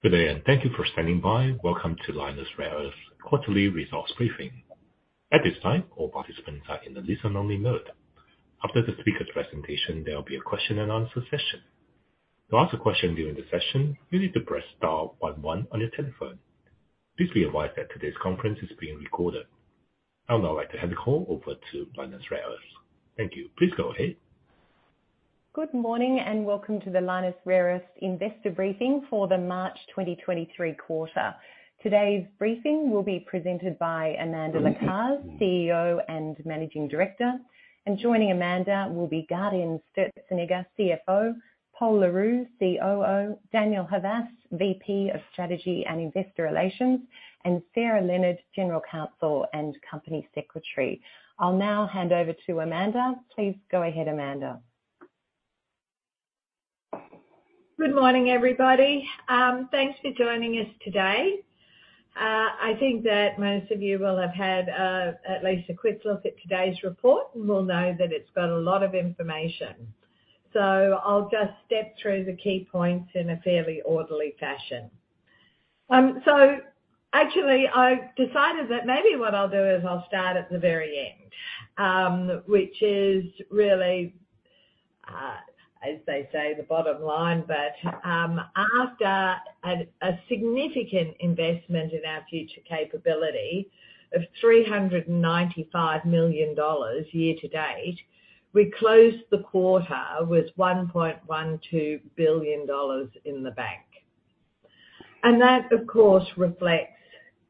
Good day, and thank you for standing by Welcome to Lynas Rare Earths Quarterly Results Briefing. At this time, all participants are in the listen-only mode. After the speaker's presentation, there'll be a question and answer session. I would now like to hand the call over to Lynas Rare Earths. Thank you please go ahead. Good morning and welcome to the Lynas Rare Earths Investor Briefing for the March 2023 quarter. Today's briefing will be presented by Amanda Lacaze, CEO and Managing Director. And joining Amanda will be Gaudenz Sturzenegger, CFO, Pol Le Roux, COO, Daniel Havas, VP of Strategy and Investor Relations, and Sarah Leonard, General Counsel and Company Secretary. I'll now hand over to Amanda. Please go ahead, Amanda. Good morning, everybody. Thanks for joining us today. I think that most of you will have had at least a quick look at today's report and will know that it's got a lot of information. I'll just step through the key points in a fairly orderly fashion. Actually, I decided that maybe what I'll do is I'll start at the very end which is really as they say the bottom line. After a significant investment in our future capability of $395 million year to date we closed the quarter with $1.12 billion in the bank. And that of course reflects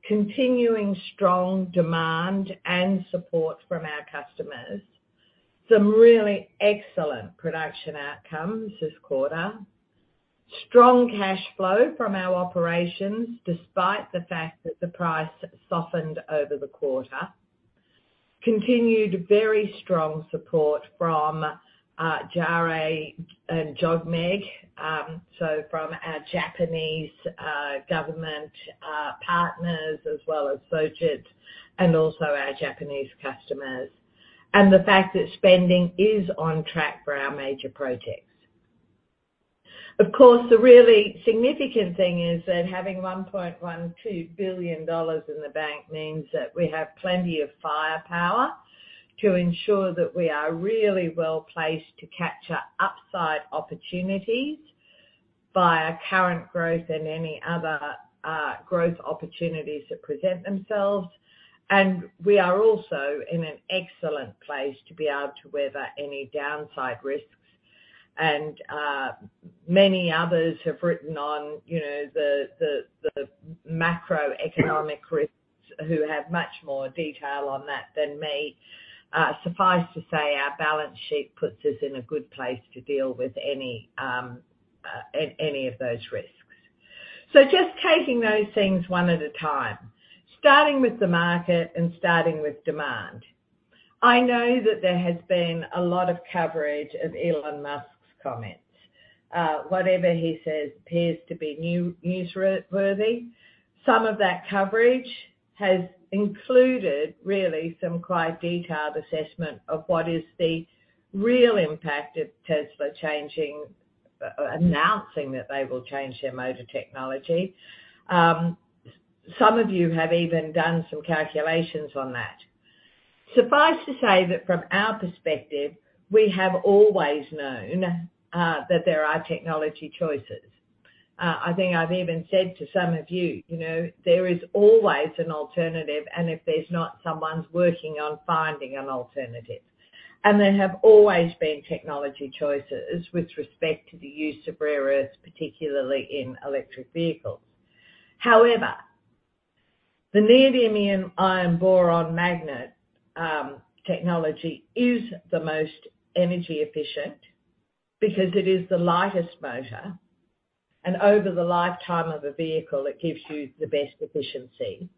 continuing strong demand and support from our customers. Some really excellent production outcomes this quarter, strong cash flow from our operations despite the fact that the price softened over the quarter. Continued very strong support from JARE and JOGMEC, so from our Japanese government partners as well as SOJITZ and also our Japanese customers, and the fact that spending is on track for our major projects. Of course, the really significant thing is that having $1.12 billion in the bank means that we have plenty of firepower to ensure that we are really well-placed to capture upside opportunities via current growth and any other growth opportunities that present themselves. We are also in an excellent place to be able to weather any downside risks. Many others have written on, you know, the macroeconomic risks who have much more detail on that than me. Suffice to say our balance sheet puts us in a good place to deal with any of those risks. Just taking those things one at a time, starting with the market and starting with demand. I know that there has been a lot of coverage of Elon Musk's comments. Whatever he says appears to be newsworthy. Some of that coverage has included really some quite detailed assessment of what is the real impact of Tesla changing, announcing that they will change their motor technology. Some of you have even done some calculations on that. Suffice to say that from our perspective we have always known that there are technology choices. I think I've even said to some of you know, there is always an alternative and if there's not, someone's working on finding an alternative. There have always been technology choices with respect to the use of rare earths particularly in electric vehicles. However, the neodymium iron boron magnet technology is the most energy efficient because it is the lightest motor and over the lifetime of a vehicle it gives you the best efficiency.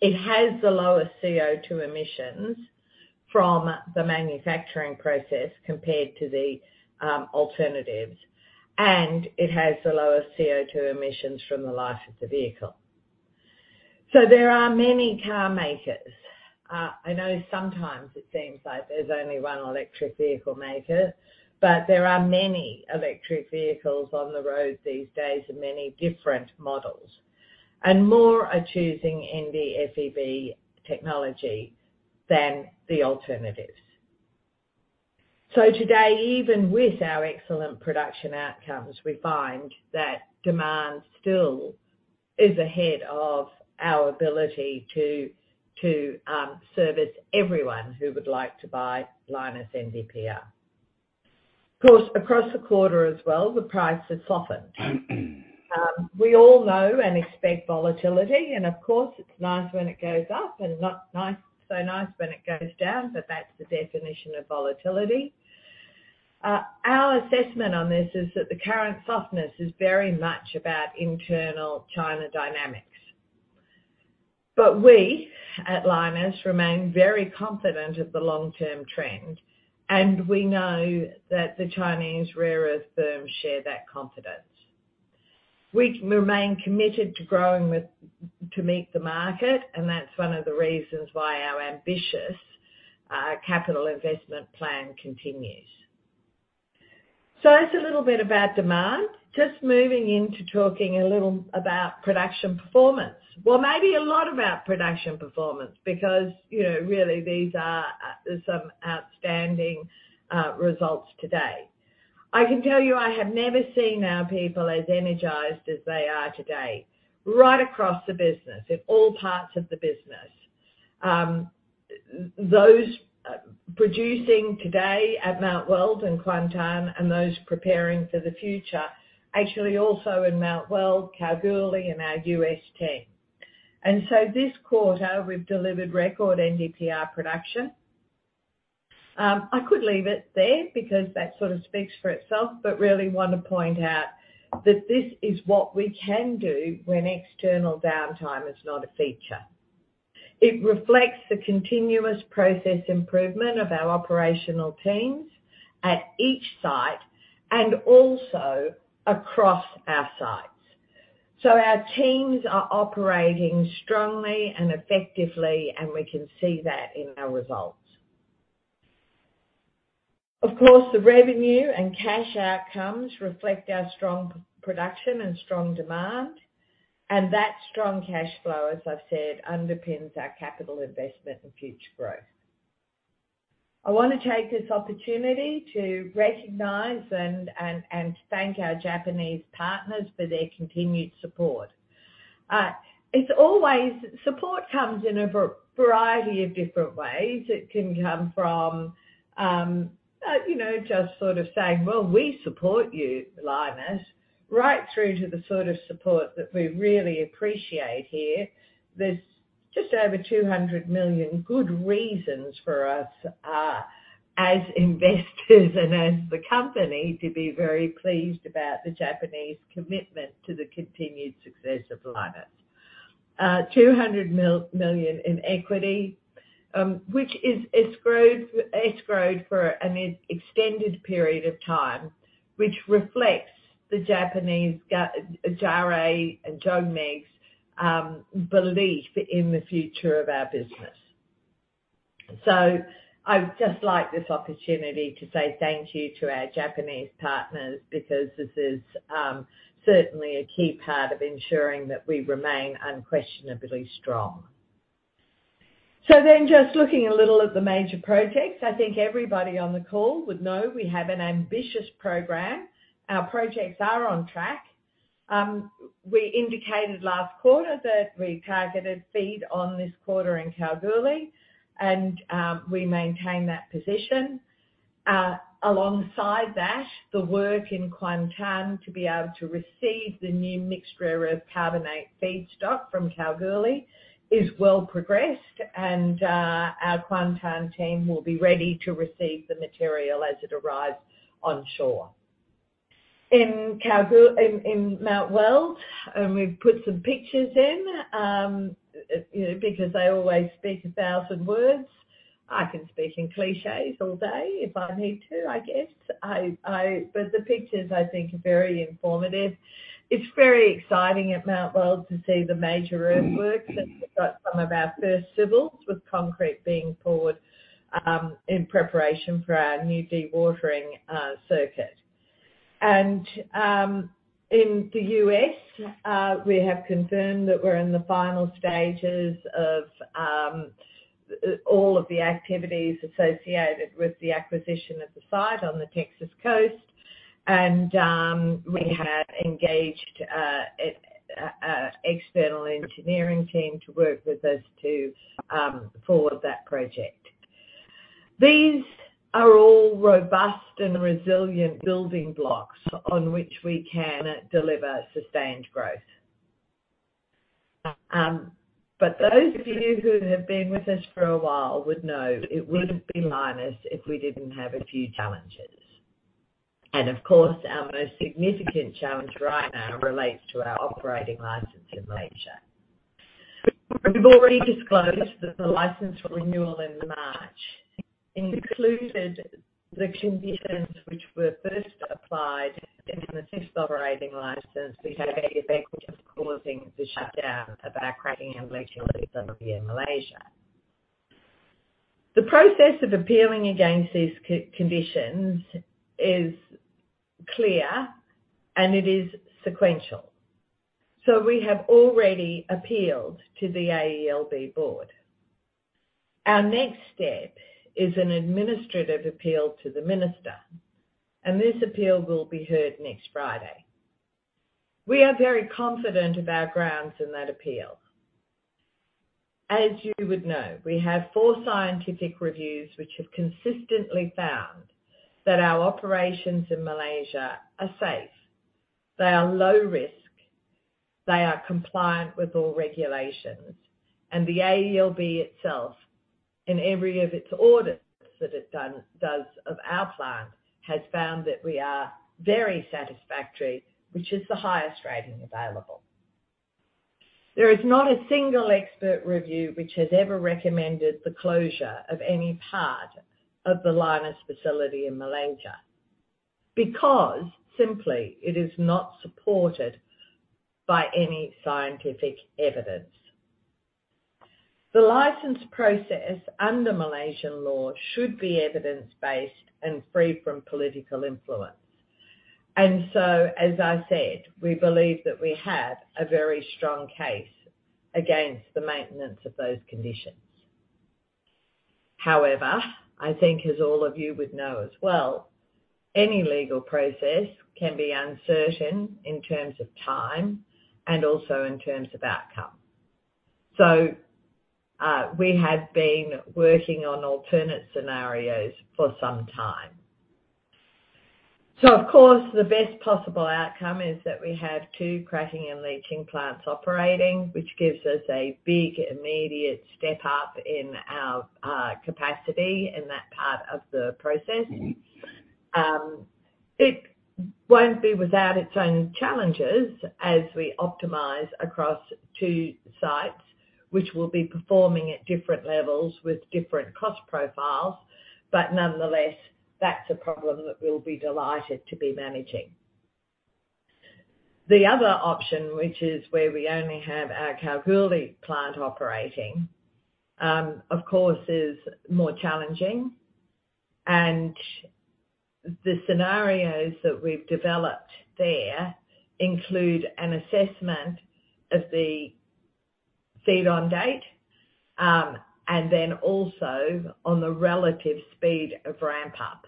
It has the lowest CO₂ emissions from the manufacturing process compared to the alternatives and it has the lowest CO₂ emissions from the life of the vehicle. There are many car makers. I know sometimes it seems like there's only one electric vehicle maker but there are many electric vehicles on the road these days and many different models. More are choosing NdFeB technology than the alternatives. Today, even with our excellent production outcomes we find that demand still is ahead of our ability to service everyone who would like to buy Lynas NdPr. Of course across the quarter as well the price has softened. We all know and expect volatility and of course, it's nice when it goes up and not nice so nice when it goes down but that's the definition of volatility. Our assessment on this is that the current softness is very much about internal China dynamics. We, at Lynas, remain very confident of the long-term trend and we know that the Chinese rare earth firms share that confidence. We remain committed to growing to meet the market and that's one of the reasons why our ambitious capital investment plan continues. That's a little bit about demand. Just moving into talking a little about production performance. Well, maybe a lot about production performance because, you know, really these are some outstanding results today. I can tell you I have never seen our people as energized as they are today right across the business in all parts of the business. Those producing today at Mount Weld and Kuantan and those preparing for the future actually also in Mount Weld, Kalgoorlie, and our US team. This quarter, we've delivered record NdPr production. I could leave it there because that sort of speaks for itself but really want to point out that this is what we can do when external downtime is not a feature. It reflects the continuous process improvement of our operational teams at each site and also across our sites. Our teams are operating strongly and effectively, and we can see that in our results. Of course, the revenue and cash outcomes reflect our strong production and strong demand. That strong cash flow as I've said underpins our capital investment and future growth. I wanna take this opportunity to recognize and thank our Japanese partners for their continued support. It's always support comes in a variety of different ways. It can come from, you know, just sort of saying, Well, we support you, Lynas, right through to the sort of support that we really appreciate here. There's just over 200 million good reasons for us, as investors and as the company to be very pleased about the Japanese commitment to the continued success of Lynas. 200 million in equity, which is escrowed for an extended period of time, which reflects the Japanese, JARE and JOGMEC's belief in the future of our business. I would just like this opportunity to say thank you to our Japanese partners because this is certainly a key part of ensuring that we remain unquestionably strong. Just looking a little at the major projects I think everybody on the call would know we have an ambitious program. Our projects are on track. We indicated last quarter that we targeted feed on this quarter in Kalgoorlie, and we maintain that position. Alongside that, the work in Kuantan to be able to receive the new mixed rare earth carbonate feedstock from Kalgoorlie is well progressed and our Kuantan team will be ready to receive the material as it arrives on shore. In Mount Weld, we've put some pictures in, you know, because they always speak 1,000 words. I can speak in cliches all day if I need to, I guess. The pictures, I think, are very informative. It's very exciting at Mount Weld to see the major earthworks, and we've got some of our first civils with concrete being poured in preparation for our new dewatering circuit. In the US, we have confirmed that we're in the final stages of all of the activities associated with the acquisition of the site on the Texas coast. We have engaged a external engineering team to work with us to forward that project. These are all robust and resilient building blocks on which we can deliver sustained growth. Those of you who have been with us for a while would know it wouldn't be Lynas if we didn't have a few challenges. Of course, our most significant challenge right now relates to our operating license in Malaysia. We've already disclosed that the license renewal in March included the conditions which were first applied in the first operating license we had, which was causing the shutdown of our cracking and leaching facility in Malaysia. The process of appealing against these co-conditions is clear and it is sequential. We have already appealed to the AELB board. Our next step is an administrative appeal to the minister and this appeal will be heard next Friday. We are very confident of our grounds in that appeal. As you would know, we have four scientific reviews which have consistently found that our operations in Malaysia are safe. They are low risk, they are compliant with all regulations. The AELB itself, in every of its audits that it does of our plant has found that we are very satisfactory which is the highest rating available. There is not a single expert review which has ever recommended the closure of any part of the Lynas facility in Malaysia, because simply it is not supported by any scientific evidence. The license process under Malaysian law should be evidence-based and free from political influence. As I said, we believe that we have a very strong case against the maintenance of those conditions. However, I think as all of you would know as well, any legal process can be uncertain in terms of time and also in terms of outcome. We have been working on alternate scenarios for some time. Of course, the best possible outcome is that we have two cracking and leaching plants operating, which gives us a big immediate step up in our capacity in that part of the process. It won't be without its own challenges as we optimize across two sites which will be performing at different levels with different cost profiles. Nonetheless, that's a problem that we'll be delighted to be managing. The other option which is where we only have our Kalgoorlie plant operating of course, is more challenging. The scenarios that we've developed there include an assessment of the feed on date and then also on the relative speed of ramp up.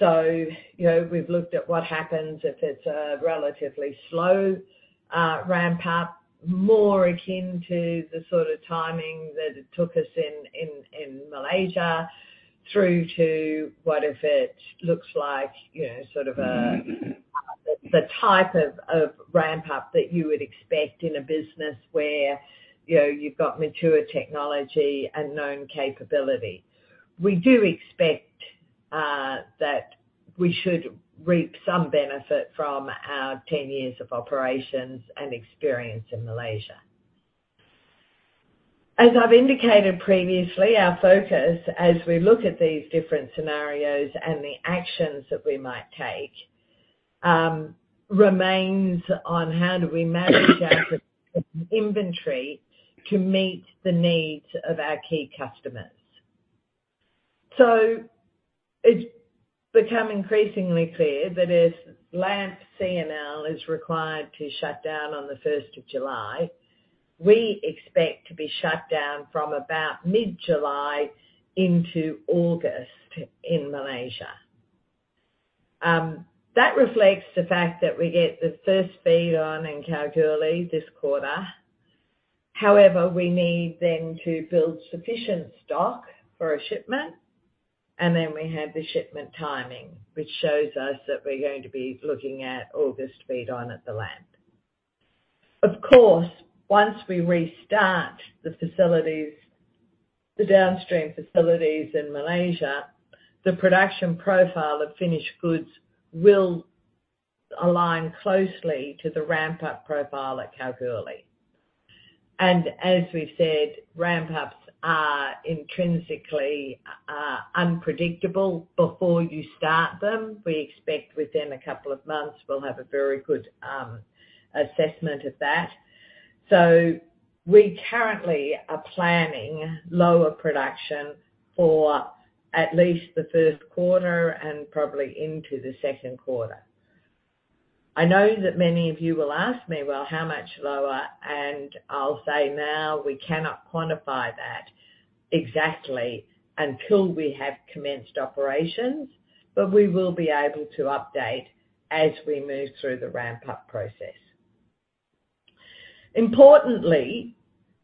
You know, we've looked at what happens if it's a relatively slow ramp up more akin to the sort of timing that it took us in Malaysia through to what if it looks like, you know, sort of a the type of ramp up that you would expect in a business where, you know, you've got mature technology and known capability. We do expect that we should reap some benefit from our 10 years of operations and experience in Malaysia. As I've indicated previously our focus as we look at these different scenarios and the actions that we might take remains on how do we manage our inventory to meet the needs of our key customers. It's become increasingly clear that if LAMP C&L is required to shut down on the first of July, we expect to be shut down from about mid-July into August in Malaysia. That reflects the fact that we get the first feed on in Kalgoorlie this quarter. However, we need then to build sufficient stock for a shipment and then we have the shipment timing, which shows us that we're going to be looking at August feed on at the LAMP. Of course, once we restart the facilities, the downstream facilities in Malaysia the production profile of finished goods will align closely to the ramp up profile at Kalgoorlie. As we've said, ramp ups are intrinsically unpredictable before you start them. We expect within a couple of months we'll have a very good assessment of that. We currently are planning lower production for at least the Q1 and probably into the Q2. I know that many of you will ask me, Well, how much lower? I'll say, now, we cannot quantify that exactly until we have commenced operations, but we will be able to update as we move through the ramp up process. Importantly,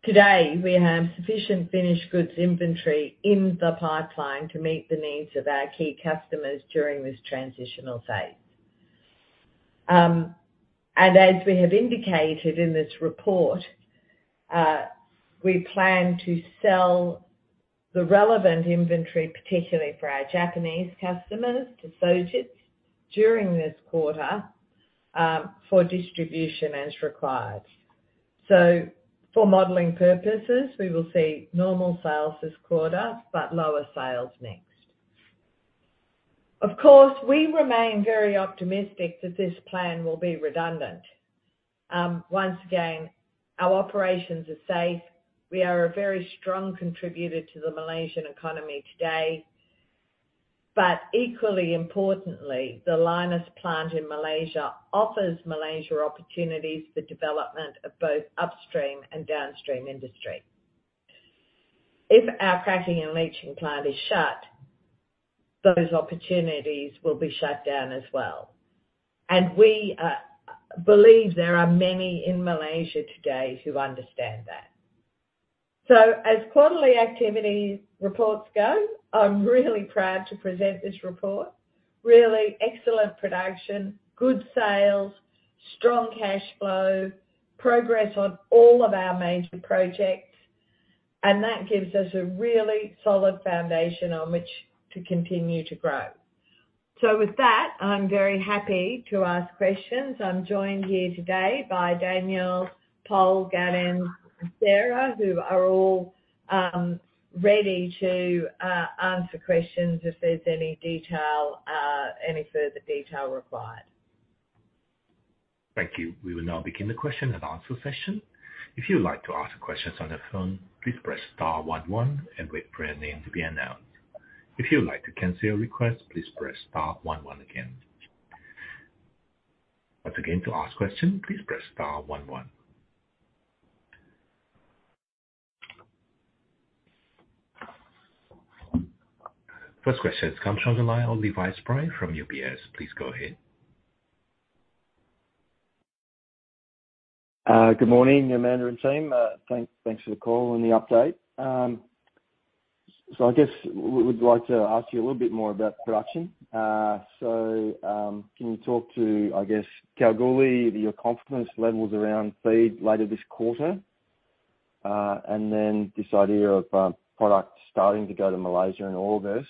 today we have sufficient finished goods inventory in the pipeline to meet the needs of our key customers during this transitional phase. As we have indicated in this report we plan to sell the relevant inventory particularly for our Japanese customers, to Sojitz, during this quarter, for distribution as required. For modeling purposes, we will see normal sales this quarter, but lower sales next. Of course, we remain very optimistic that this plan will be redundant. Once again, our operations are safe. We are a very strong contributor to the Malaysian economy today. Equally importantly, the Lynas plant in Malaysia offers Malaysia opportunities for development of both upstream and downstream industry. If our cracking and leaching plant is shut those opportunities will be shut down as well. We believe there are many in Malaysia today who understand that. As quarterly activity reports go, I'm really proud to present this report. Really excellent production, good sales, strong cash flow, progress on all of our major projects, and that gives us a really solid foundation on which to continue to grow. With that I'm very happy to ask questions. I'm joined here today by Daniel, Paul, Gaudenz, and Sarah, who are all ready to answer questions if there's any detail, any further detail required. Thank you. First question comes from the line of Levi Spry from UBS. Please go ahead. Good morning, Amanda and team. Thanks for the call and the update. I guess we would like to ask you a little bit more about production. Can you talk to, I guess, Kalgoorlie your confidence levels around feed later this quarter? Then this idea of product starting to go to Malaysia in August.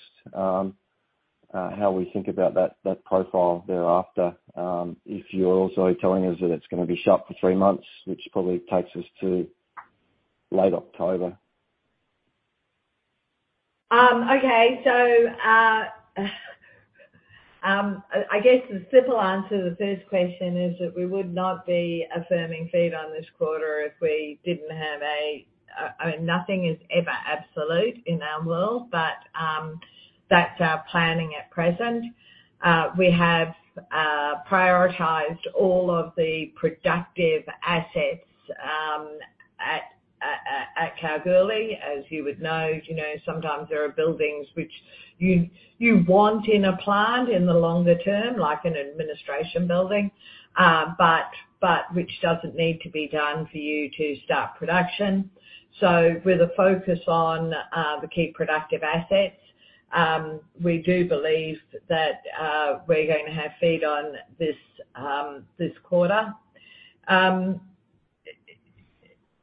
How we think about that profile thereafter, if you're also telling us that it's gonna be shut for three months, which probably takes us to late October. Okay. I guess the simple answer to the first question is that we would not be affirming feed on this quarter if we didn't have nothing is ever absolute in our world but that's our planning at present. We have prioritized all of the productive assets at Kalgoorlie. As you would know, you know, sometimes there are buildings which you want in a plant in the longer term like an administration building but which doesn't need to be done for you to start production. With a focus on the key productive assets we do believe that we're going to have feed on this this quarter.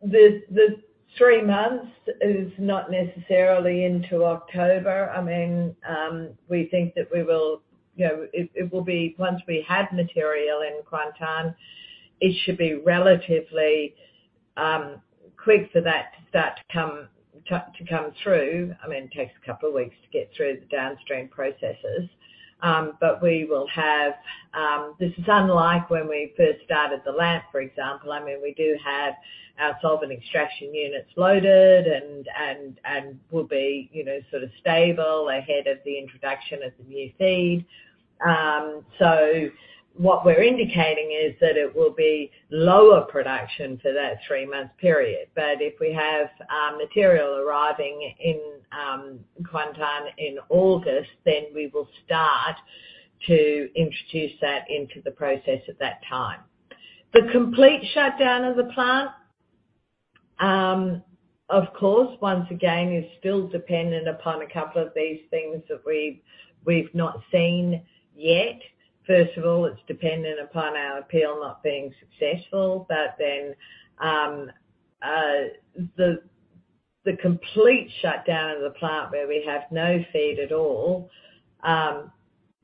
The three months is not necessarily into October. I mean, we think that we will, you know... It will be once we have material in Kuantan, it should be relatively quick for that to start to come through. I mean, it takes a couple of weeks to get through the downstream processes but we will have. This is unlike when we first started the LAMP, for example. I mean, we do have our solvent extraction units loaded and we'll be, you know, sort of stable ahead of the introduction of the new feed. What we're indicating is that it will be lower production for that three-month period. If we have material arriving in Kuantan in August then we will start to introduce that into the process at that time. The complete shutdown of the plant, of course, once again, is still dependent upon a couple of these things that we've not seen yet. First of all, it's dependent upon our appeal not being successful. The complete shutdown of the plant where we have no feed at all,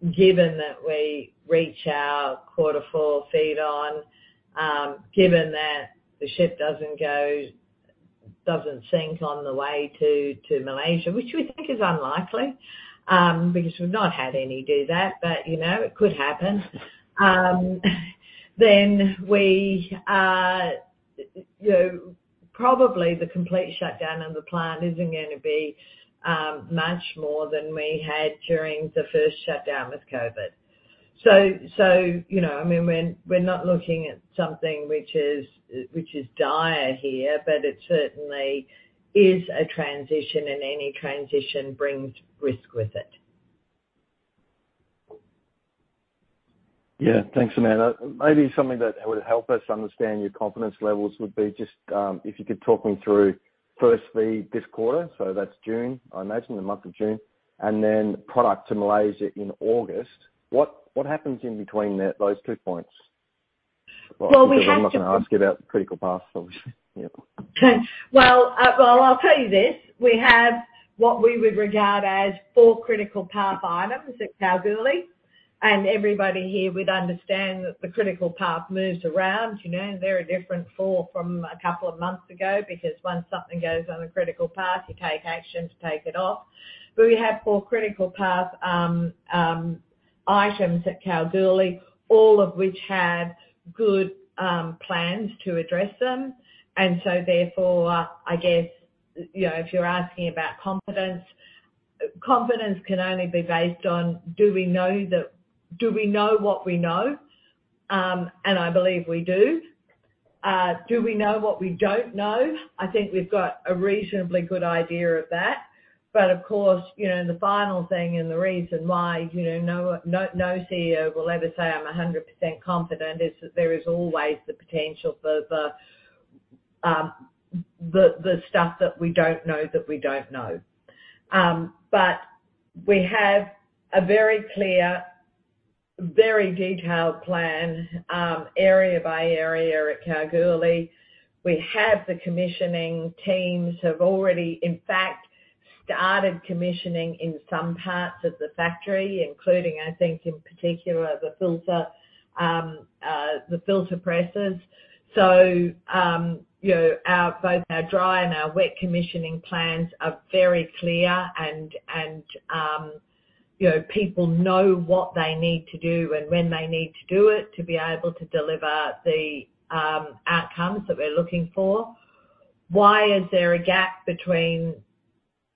given that we reach our quarter full feed on, given that the ship doesn't sink on the way to Malaysia, which we think is unlikely, because we've not had any do that, but, you know, it could happen. We, you know, probably the complete shutdown of the plant isn't gonna be much more than we had during the first shutdown with COVID. You know, I mean, we're not looking at something which is dire here but it certainly is a transition and any transition brings risk with it. Yeah. Thanks, Amanda. Maybe something that would help us understand your confidence levels would be just if you could talk me through firstly this quarter so that's June, I imagine the month of June, and then product to Malaysia in August. What happens in between those two points? Well, I'm not gonna ask you about the critical path, obviously. Yeah. Well, I'll tell you this. We have what we would regard as four critical path items at Kalgoorlie and everybody here would understand that the critical path moves around. You know, they're a different four from a couple of months ago because once something goes on a critical path, you take action to take it off. We have four critical path items at Kalgoorlie, all of which have good plans to address them. Therefore, I guess, you know, if you're asking about confidence can only be based on do we know what we know? I believe we do. Do we know what we don't know? I think we've got a reasonably good idea of that. Of course, you know, the final thing and the reason why, you know, no CEO will ever say, I'm 100% confident, is that there is always the potential for the stuff that we don't know that we don't know. We have a very detailed plan area by area at Kalgoorlie. We have the commissioning teams have already, in fact, started commissioning in some parts of the factory including, I think, in particular, the filter, the filter presses. You know, our, both our dry and our wet commissioning plans are very clear and, you know, people know what they need to do and when they need to do it to be able to deliver the outcomes that we're looking for. Why is there a gap between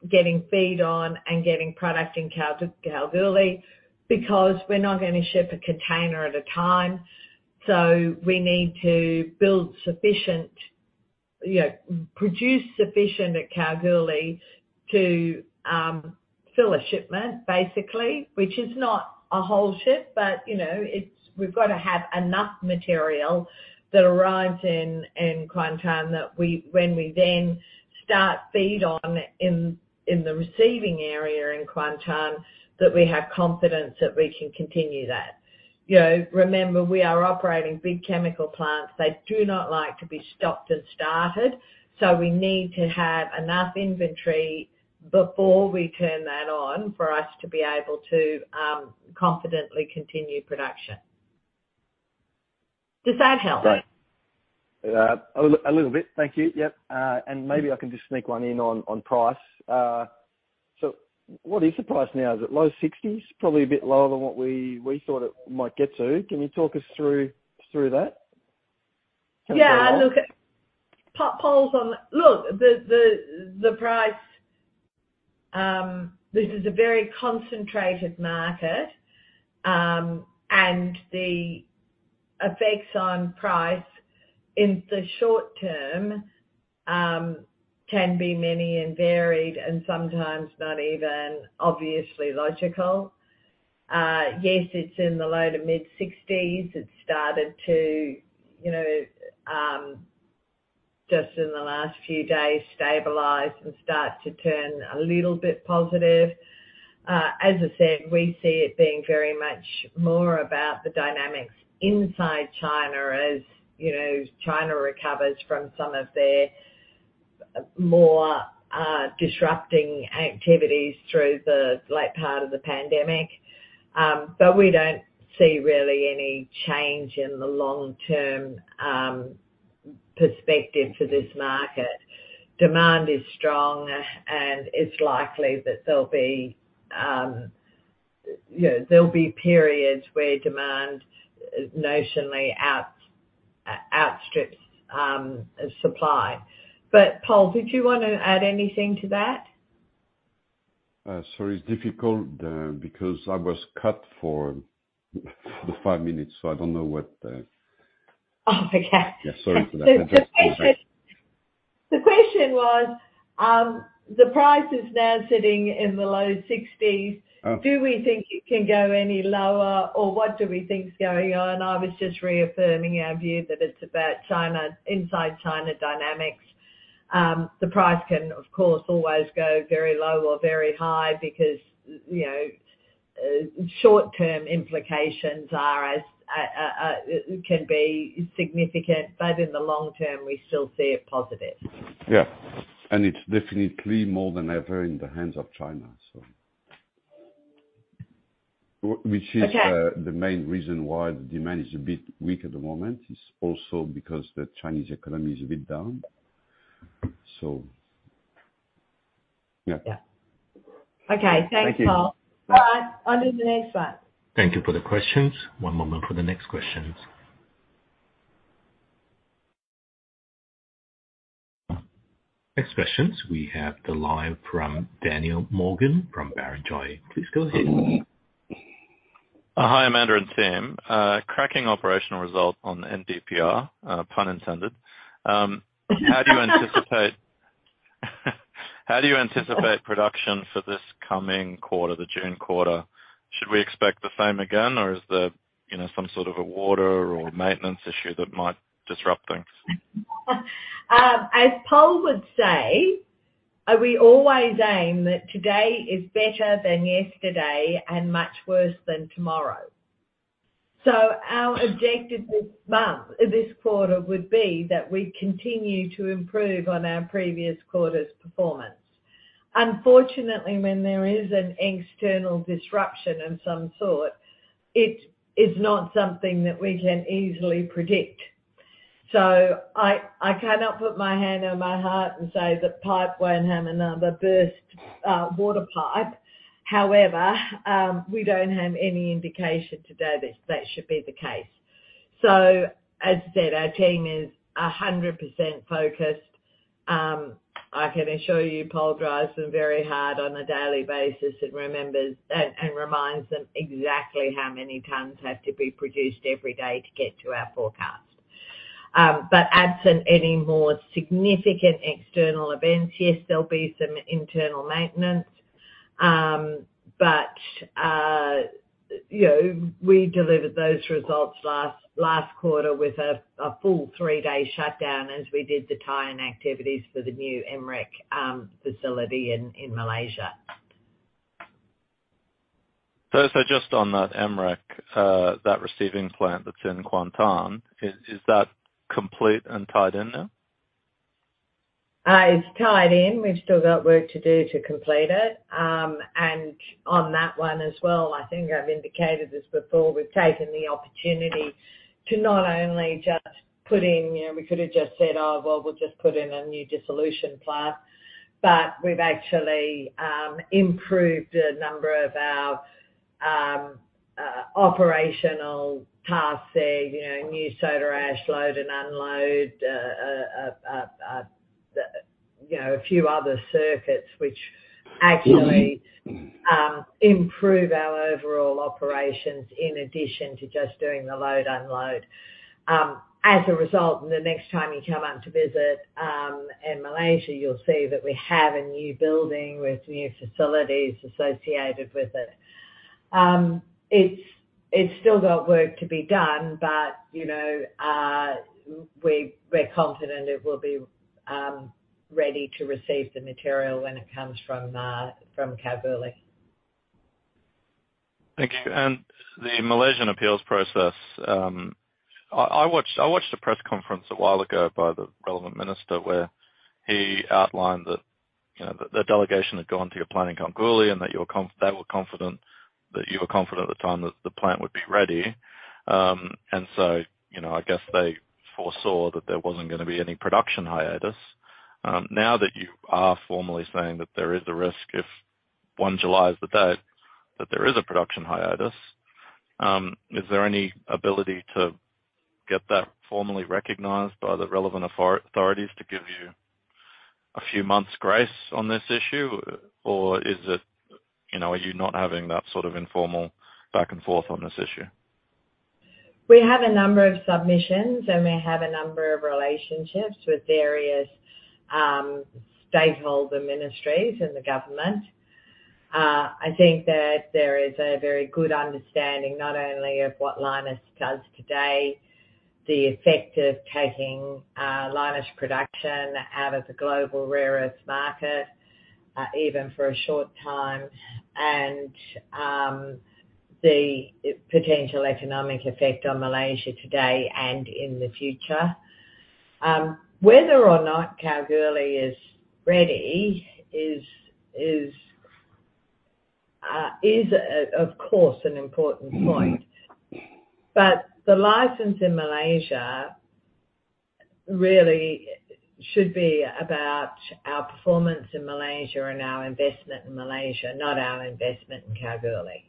getting feed on and getting product in Kalgoorlie? We're not gonna ship a container at a time, so we need to build sufficient, you know, produce sufficient at Kalgoorlie to fill a shipment, basically. Which is not a whole ship, but, you know, we've got to have enough material that arrives in Kuantan that we, when we then start feed on in the receiving area in Kuantan, that we have confidence that we can continue that. Remember we are operating big chemical plants. They do not like to be stopped and started so we need to have enough inventory before we turn that on for us to be able to confidently continue production. Does that help? Great. A little bit. Thank you. Yep. Maybe I can just sneak one in on price. What is the price now? Is it AUD low 60s? Probably a bit lower than what we thought it might get to. Can you talk us through that? Yeah. Look at the price this is a very concentrated market. The effects on price in the short term can be many and varied and sometimes not even obviously logical. Yes, it's in the low to mid-60s it's started to, you know, just in the last few days, stabilize and start to turn a little bit positive. As I said, we see it being very much more about the dynamics inside China as, you know, China recovers from some of their more disrupting activities through the late part of the pandemic. We don't see really any change in the long-term perspective for this market. Demand is strong it's likely that there'll be, you know, there'll be periods where demand notionally outstrips supply. Pol, did you wanna add anything to that? Sorry, it's difficult, because I was cut for the five minutes, so I don't know. Oh, okay. Yeah. Sorry for that. The question was, the price is now sitting in the low AUD 60s. Oh. Do we think it can go any lower or what do we think is going on? I was just reaffirming our view that it's about China, inside China dynamics. The price can, of course, always go very low or very high because, you know, short-term implications are as can be significant but in the long term we still see it positive. Yeah. It's definitely more than ever in the hands of China, so. Okay. The main reason why the demand is a bit weak at the moment it's also because the Chinese economy is a bit down. Yeah. Yeah. Okay. Thanks, Pol. Thank you. All right. On to the next one. Thank you for the questions. One moment for the next questions. Next questions, we have the line from Daniel Morgan from Barrenjoey. Please go ahead. Hi, Amanda and team. Cracking operational result on NDPR, pun intended. How do you anticipate production for this coming quarter the June quarter? Should we expect the same again or is there, you know, some sort of a water or maintenance issue that might disrupt things? As Pol would say, we always aim that today is better than yesterday and much worse than tomorrow. Our objective this month, this quarter would be that we continue to improve on our previous quarter's performance. Unfortunately, when there is an external disruption of some sort it is not something that we can easily predict. I cannot put my hand on my heart and say the pipe won't have another burst water pipe. However, we don't have any indication today that that should be the case. As I said our team is 100% focused. I can assure you, Pol drives them very hard on a daily basis and remembers and reminds them exactly how many tons have to be produced every day to get to our forecast. Absent any more significant external events, yes, there'll be some internal maintenance. You know we delivered those results last quarter with a full three-day shutdown as we did the tie-in activities for the new MREC facility in Malaysia. Just on that MREC, that receiving plant that's in Kuantan, is that complete and tied in now? It's tied in we've still got work to do to complete it. On that one as well I think I've indicated this before. We've taken the opportunity to not only just put in, you know, we could have just said, Oh, well, we'll just put in a new dissolution plant. We've actually improved a number of our operational paths there. You know, new soda ash load and unload. You know, a few other circuits which actually. Mm-hmm. improve our overall operations in addition to just doing the load/unload. As a result, the next time you come out to visit, in Malaysia you'll see that we have a new building with new facilities associated with it. It's still got work to be done, but, you know, we're confident it will be ready to receive the material when it comes from Kalgoorlie. Thanks and the Malaysian appeals process, I watched a press conference a while ago by the relevant minister where he outlined that, you know, the delegation had gone to your plant in Kalgoorlie and that they were confident that you were confident at the time that the plant would be ready. You know, I guess they foresaw that there wasn't gonna be any production hiatus. Now that you are formally saying that there is a risk if, one July is the date, that there is a production hiatus, is there any ability to get that formally recognized by the relevant authorities to give you a few months' grace on this issue? Or is it, you know, are you not having that sort of informal back and forth on this issue? We have a number of submissions and we have a number of relationships with various stakeholder ministries in the government. I think that there is a very good understanding not only of what Lynas does today the effect of taking Lynas production out of the global rare earths market even for a short time and the potential economic effect on Malaysia today and in the future. Whether or not Kalgoorlie is ready is of course an important point. The license in Malaysia really should be about our performance in Malaysia and our investment in Malaysia not our investment in Kalgoorlie.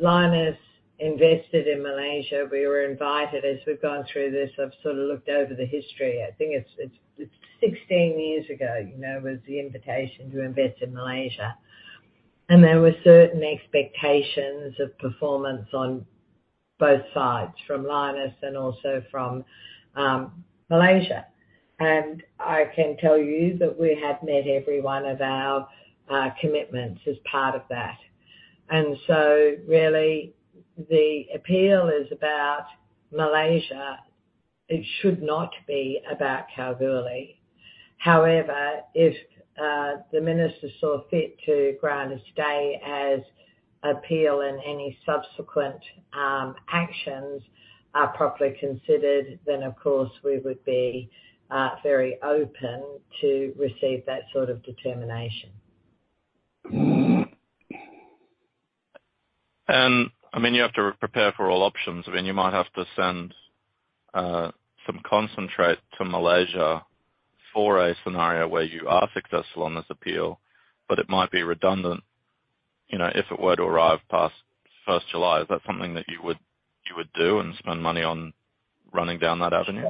Lynas invested in Malaysia we were invited as we've gone through this, I've sort of looked over the history I think it's 16 years ago, you know, was the invitation to invest in Malaysia. There were certain expectations of performance on both sides from Lynas and also from Malaysia. I can tell you that we have met every one of our commitments as part of that. Really the appeal is about Malaysia it should not be about Kalgoorlie. If the minister saw fit to grant a stay as appeal and any subsequent actions are properly considered then of course we would be very open to receive that sort of determination. I mean, you have to prepare for all options. I mean, you might have to send some concentrate to Malaysia for a scenario where you are successful on this appeal but it might be redundant, you know, if it were to arrive past first July. Is that something that you would do and spend money on running down that avenue?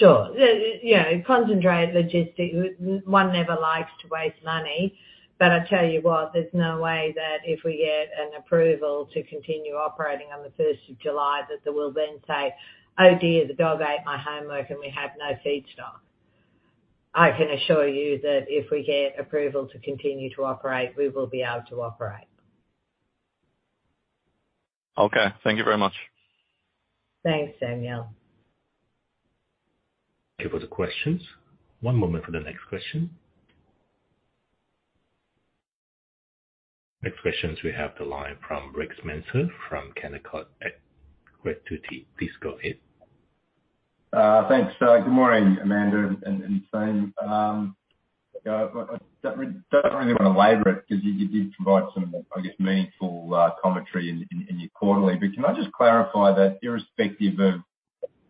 Sure. Yeah, you know, concentrate, logistics. One never likes to waste money. I tell you what, there's no way that if we get an approval to continue operating on the first of July, that we'll then say, Oh dear, the dog ate my homework, and we have no feedstock. I can assure you that if we get approval to continue to operate we will be able to operate. Okay. Thank you very much. Thanks, Daniel. Thank you for the questions. Next questions we have the line from Reg Manser from Canaccord Genuity. Please go ahead. Thanks. Good morning, Amanda and team. I don't really wanna labor it because you did provide some, I guess, meaningful commentary in your quarterly. Can I just clarify that irrespective of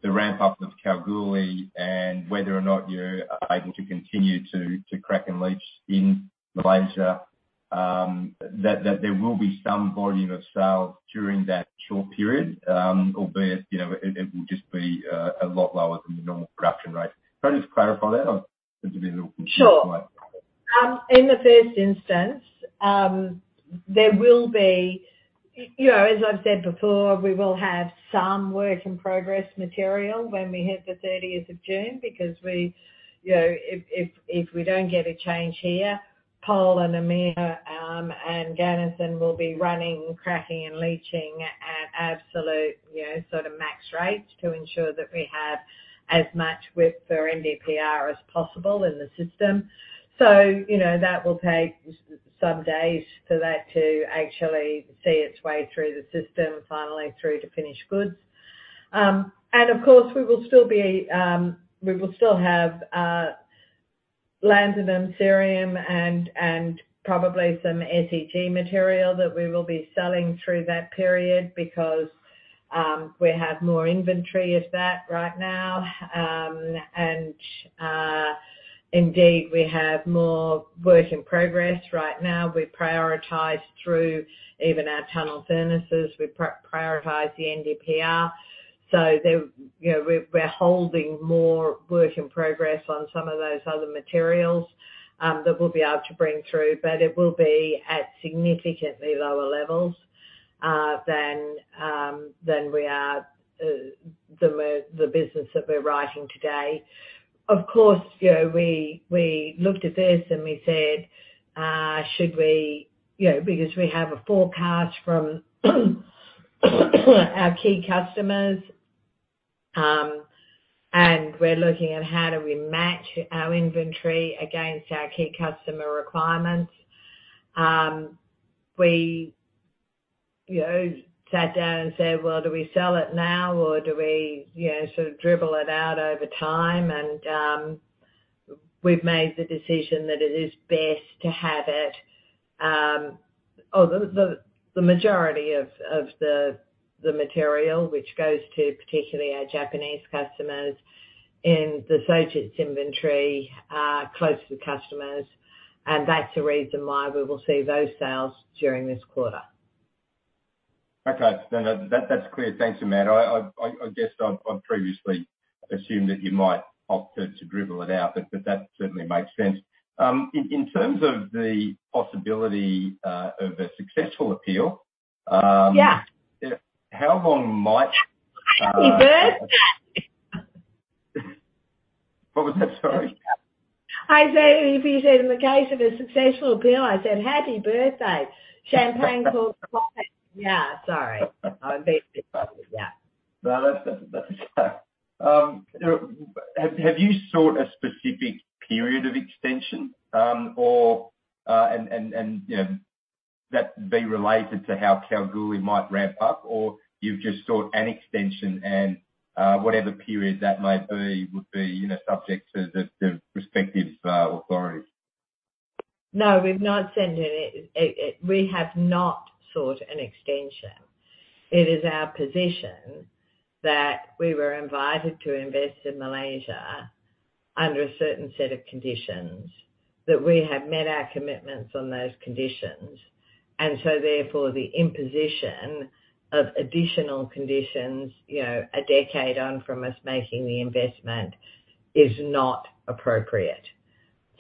the ramp-up of Kalgoorlie and whether or not you are able to continue to crack and leach in Malaysia that there will be some volume of sales during that short period, albeit, you know, it will just be a lot lower than the normal production rate. Can I just clarify that? I seem to be a little confused by. Sure. In the first instance, you know, as I've said before we will have some work in progress material when we hit the 30th of June because we, you know, if we don't get a change here-Pol, Amir, and Gunnison will be running cracking and leaching at absolute, you know, sort of max rate to ensure that we have as much width for NDPR as possible in the system. You know, that will take some days for that to actually see its way through the system finally through to finished goods. Of course, we will still be we will still have lanthanum, cerium, and probably some SEG material that we will be selling through that period because we have more inventory of that right now. Indeed we have more work in progress right now. We prioritize through even our tunnel furnaces. We prioritize the NDPR. There, you know, we're holding more work in progress on some of those other materials that we'll be able to bring through. It will be at significantly lower levels than than we are than the business that we're writing today. Of course, you know, we looked at this and we said, should we, you know, because we have a forecast from our key customers and we're looking at how do we match our inventory against our key customer requirements. We, you know, sat down and said, Well, do we sell it now or do we, you know, sort of dribble it out over time? We've made the decision that it is best to have it, the majority of the material which goes to particularly our Japanese customers in the... inventory, close to the customers. That's the reason why we will see those sales during this quarter. Okay. That's clear. Thanks, Amanda. I guessed I've previously assumed that you might opt to dribble it out but that certainly makes sense. In terms of the possibility of a successful appeal, Yeah. How long might? Happy birthday. What was that? Sorry. I said if you said in the case of a successful appeal, I said, Happy birthday. Champagne cork popping. Yeah. Sorry. I'm being silly. Yeah. No, that's. Have you sought a specific period of extension, or, and, you know, that be related to how Kalgoorlie might ramp up? Or you've just sought an extension and whatever period that may be would be, you know, subject to the respective authorities? No, we've not sent it. We have not sought an extension. It is our position that we were invited to invest in Malaysia under a certain set of conditions that we have met our commitments on those conditions. Therefore, the imposition of additional conditions, you know, a decade on from us making the investment is not appropriate.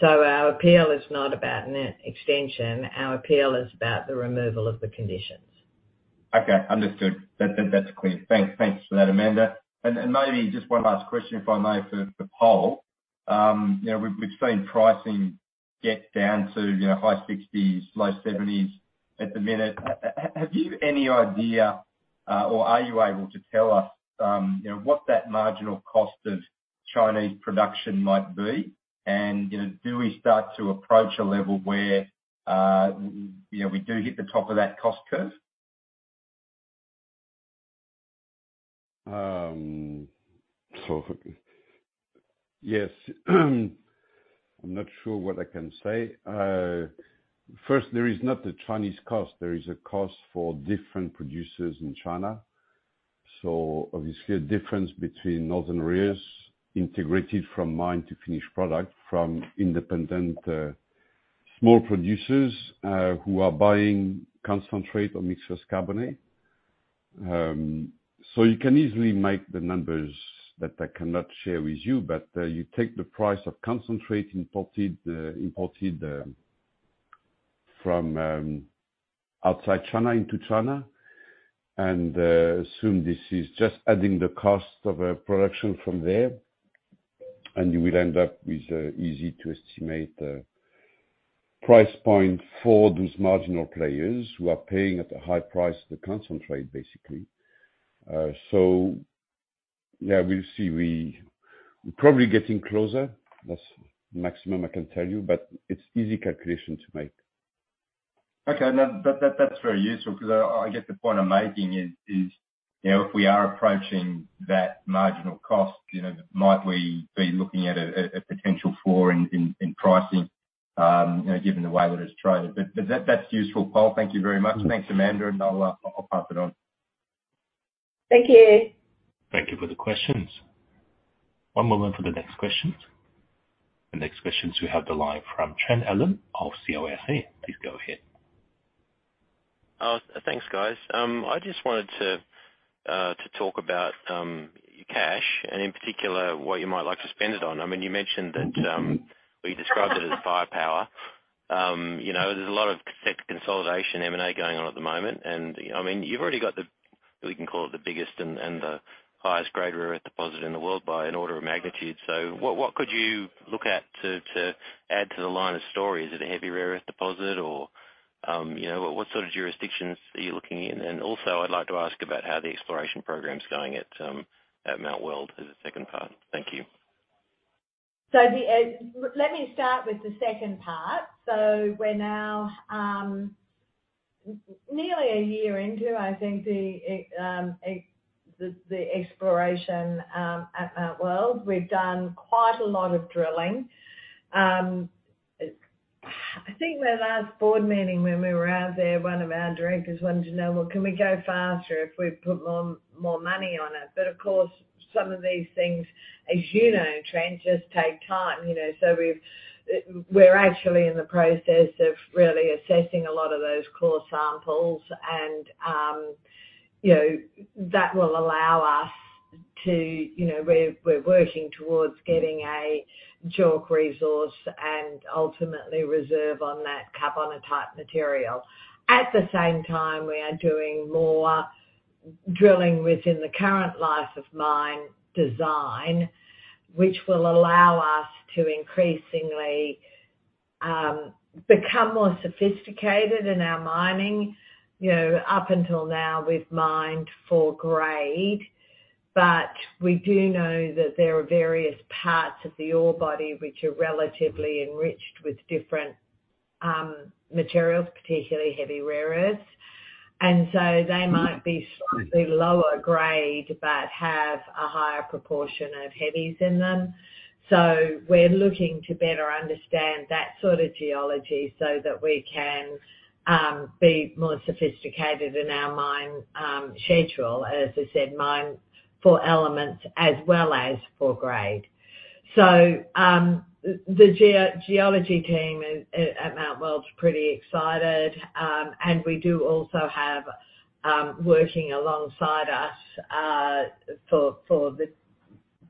Our appeal is not about an extension our appeal is about the removal of the conditions. Okay. Understood that's clear. Thanks for that, Amanda. Maybe just one last question, if I may for Pol. You know, we've seen pricing get down to, you know, high 60s low seventies at the minute. Have you any idea, or are you able to tell us, you know, what that marginal cost of Chinese production might be? You know, do we start to approach a level where, you know, we do hit the top of that cost curve? Yes. I'm not sure what I can say. First, there is not a Chinese cost there is a cost for different producers in China. Obviously a difference between Northern Minerals integrated from mine to finished product from independent small producers who are buying concentrate or mixed carbonate. You can easily make the numbers that I cannot share with you but you take the price of concentrate imported from outside China into China. Assume this is just adding the cost of a production from there and you will end up with a easy to estimate price point for those marginal players who are paying at a high price for concentrate basically. Yeah, we'll see we probably getting closer. That's the maximum I can tell you. It's easy calculation to make. Okay. No, that's very useful because I get the point I'm making is, you know, if we are approaching that marginal cost, you know, might we be looking at a potential floor in pricing, you know, given the way that it's traded. That, that's useful, Pol. Thank you very much. Thanks, Amanda, and I'll pass it on. Thank you. Thank you for the questions. The next questions we have the line from Trent Allen of [COSE]. Please go ahead. Thanks, guys. I just wanted to talk about your cash and in particular what you might like to spend it on. I mean you mentioned that, or you described it as firepower. You know, there's a lot of sector consolidation M&A going on at the moment. I mean, you've already got the biggest and the highest-grade rare earth deposit in the world by an order of magnitude. What could you look at to add to the line of stories? Is it a heavy rare earth deposit or, you know, what sort of jurisdictions are you looking in? Also I'd like to ask about how the exploration program's going at Mount Weld as a second part. Thank you. Let me start with the second part we're now nearly a year into, I think, the exploration at Mount Weld we've done quite a lot of drilling. I think where the last board meeting when we were out there, one of our directors wanted to know, well, can we go faster if we put more money on it? Of course, some of these things, as you know, trend just take time, you know. We're actually in the process of really assessing a lot of those core samples and, you know, that will allow us to, you know, we're working towards getting a JORC resource and ultimately reserve on that carbonatite material. At the same time, we are doing more drilling within the current life of mine design which will allow us to increasingly become more sophisticated in our mining. You know, up until now, we've mined for grade but we do know that there are various parts of the ore body which are relatively enriched with different materials particularly heavy rare earths. They might be slightly lower grade but have a higher proportion of heavies in them. We're looking to better understand that sort of geology so that we can be more sophisticated in our mine schedule. As I said, mine for elements as well as for grade. The geology team at Mt. Weld is pretty excited. We do also have, working alongside us for this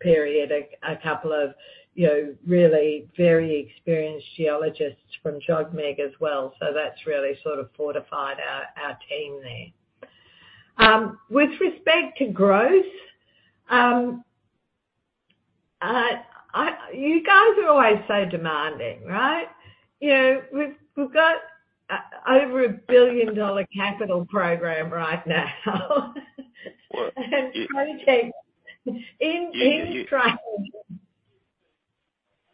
period a couple of, you know, really very experienced geologists from JOGMEC as well. That's really sort of fortified our team there. With respect to growth, you guys are always so demanding, right? You know, we've got over a billion-dollar capital program right now. Well. Projects in train.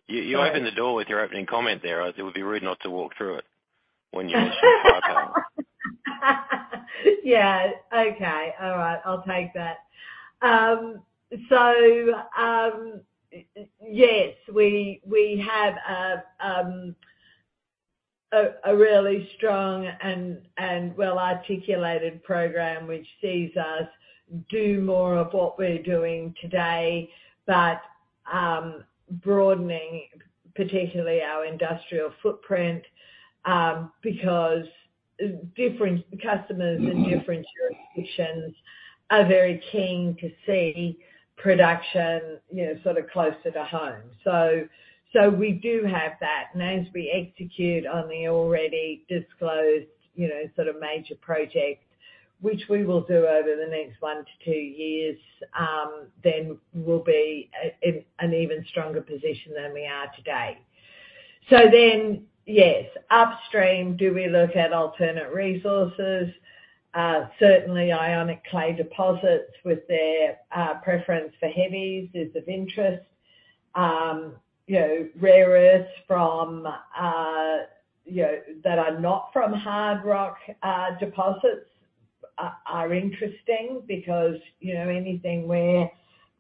You opened the door with your opening comment there. It would be rude not to walk through it when you are so kind. Yeah. Okay. All right I'll take that. Yes, we have a really strong and well-articulated program which sees us do more of what we're doing today but broadening particularly our industrial footprint because different customers and different jurisdictions are very keen to see production, you know, sort of closer to home. We do have that as we execute on the already disclosed, you know, sort of major projects which we will do over the next one to two years, then we'll be in an even stronger position than we are today. Yes, upstream, do we look at alternate resources? Certainly ionic clay deposits with their preference for heavies is of interest. You know, rare earths from, you know, that are not from hard rock, deposits are interesting because, you know, anything where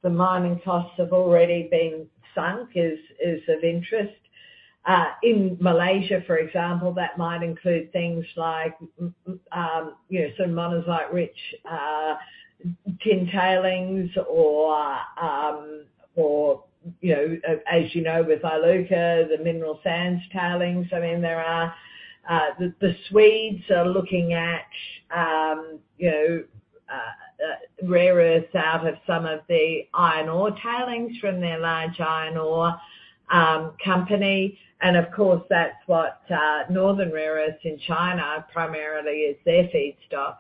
the mining costs have already been sunk is of interest. In Malaysia for example that might include things like, you know, some monazite-rich tin tailings or, you know, as you know, with Iluka, the mineral sands tailings. I mean, there are, the Swedes are looking at, you know, rare earths out of some of the iron ore tailings from their large iron ore company. Of course, that's what Northern Rare Earth in China primarily is their feedstock.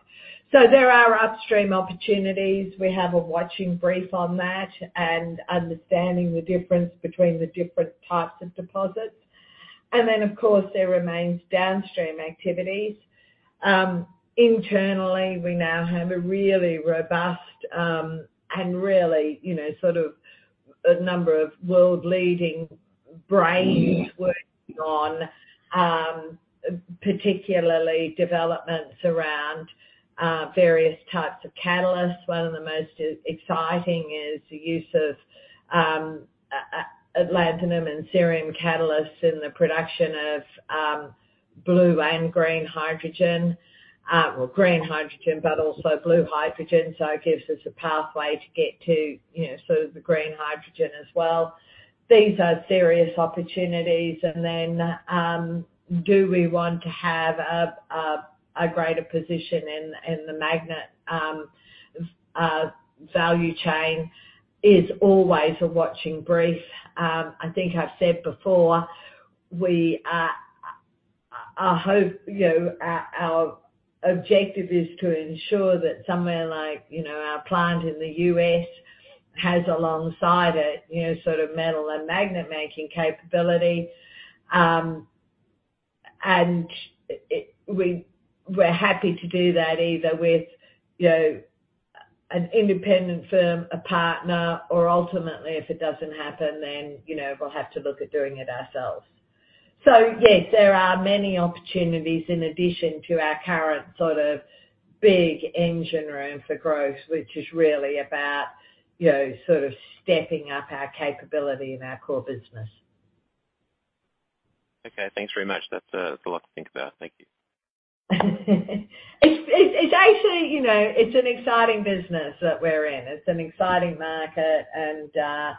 There are upstream opportunities we have a watching brief on that and understanding the difference between the different types of deposits. Then, of course there remains downstream activities. Internally we now have a really robust and really, you know, sort of a number of world-leading brains working on particularly developments around various types of catalysts one of the most exciting is the use of a lanthanum and cerium catalysts in the production of blue and green hydrogen. Well, green hydrogen, but also blue hydrogen. It gives us a pathway to get to, you know, sort of the green hydrogen as well. These are serious opportunities. Do we want to have a greater position in the magnet value chain is always a watching brief. I think I've said before, Our hope, you know, our objective is to ensure that somewhere like, you know, our plant in the US has alongside it, you know, sort of metal and magnet-making capability. We're happy to do that either with, you know, an independent firm a partner or ultimately if it doesn't happen, then, you know, we'll have to look at doing it ourselves. Yes, there are many opportunities in addition to our current sort of big engine room for growth which is really about, you know, sort of stepping up our capability in our core business. Okay. Thanks very much. That's a lot to think about. Thank you. It's actually, you know, it's an exciting business that we're in. It's an exciting market and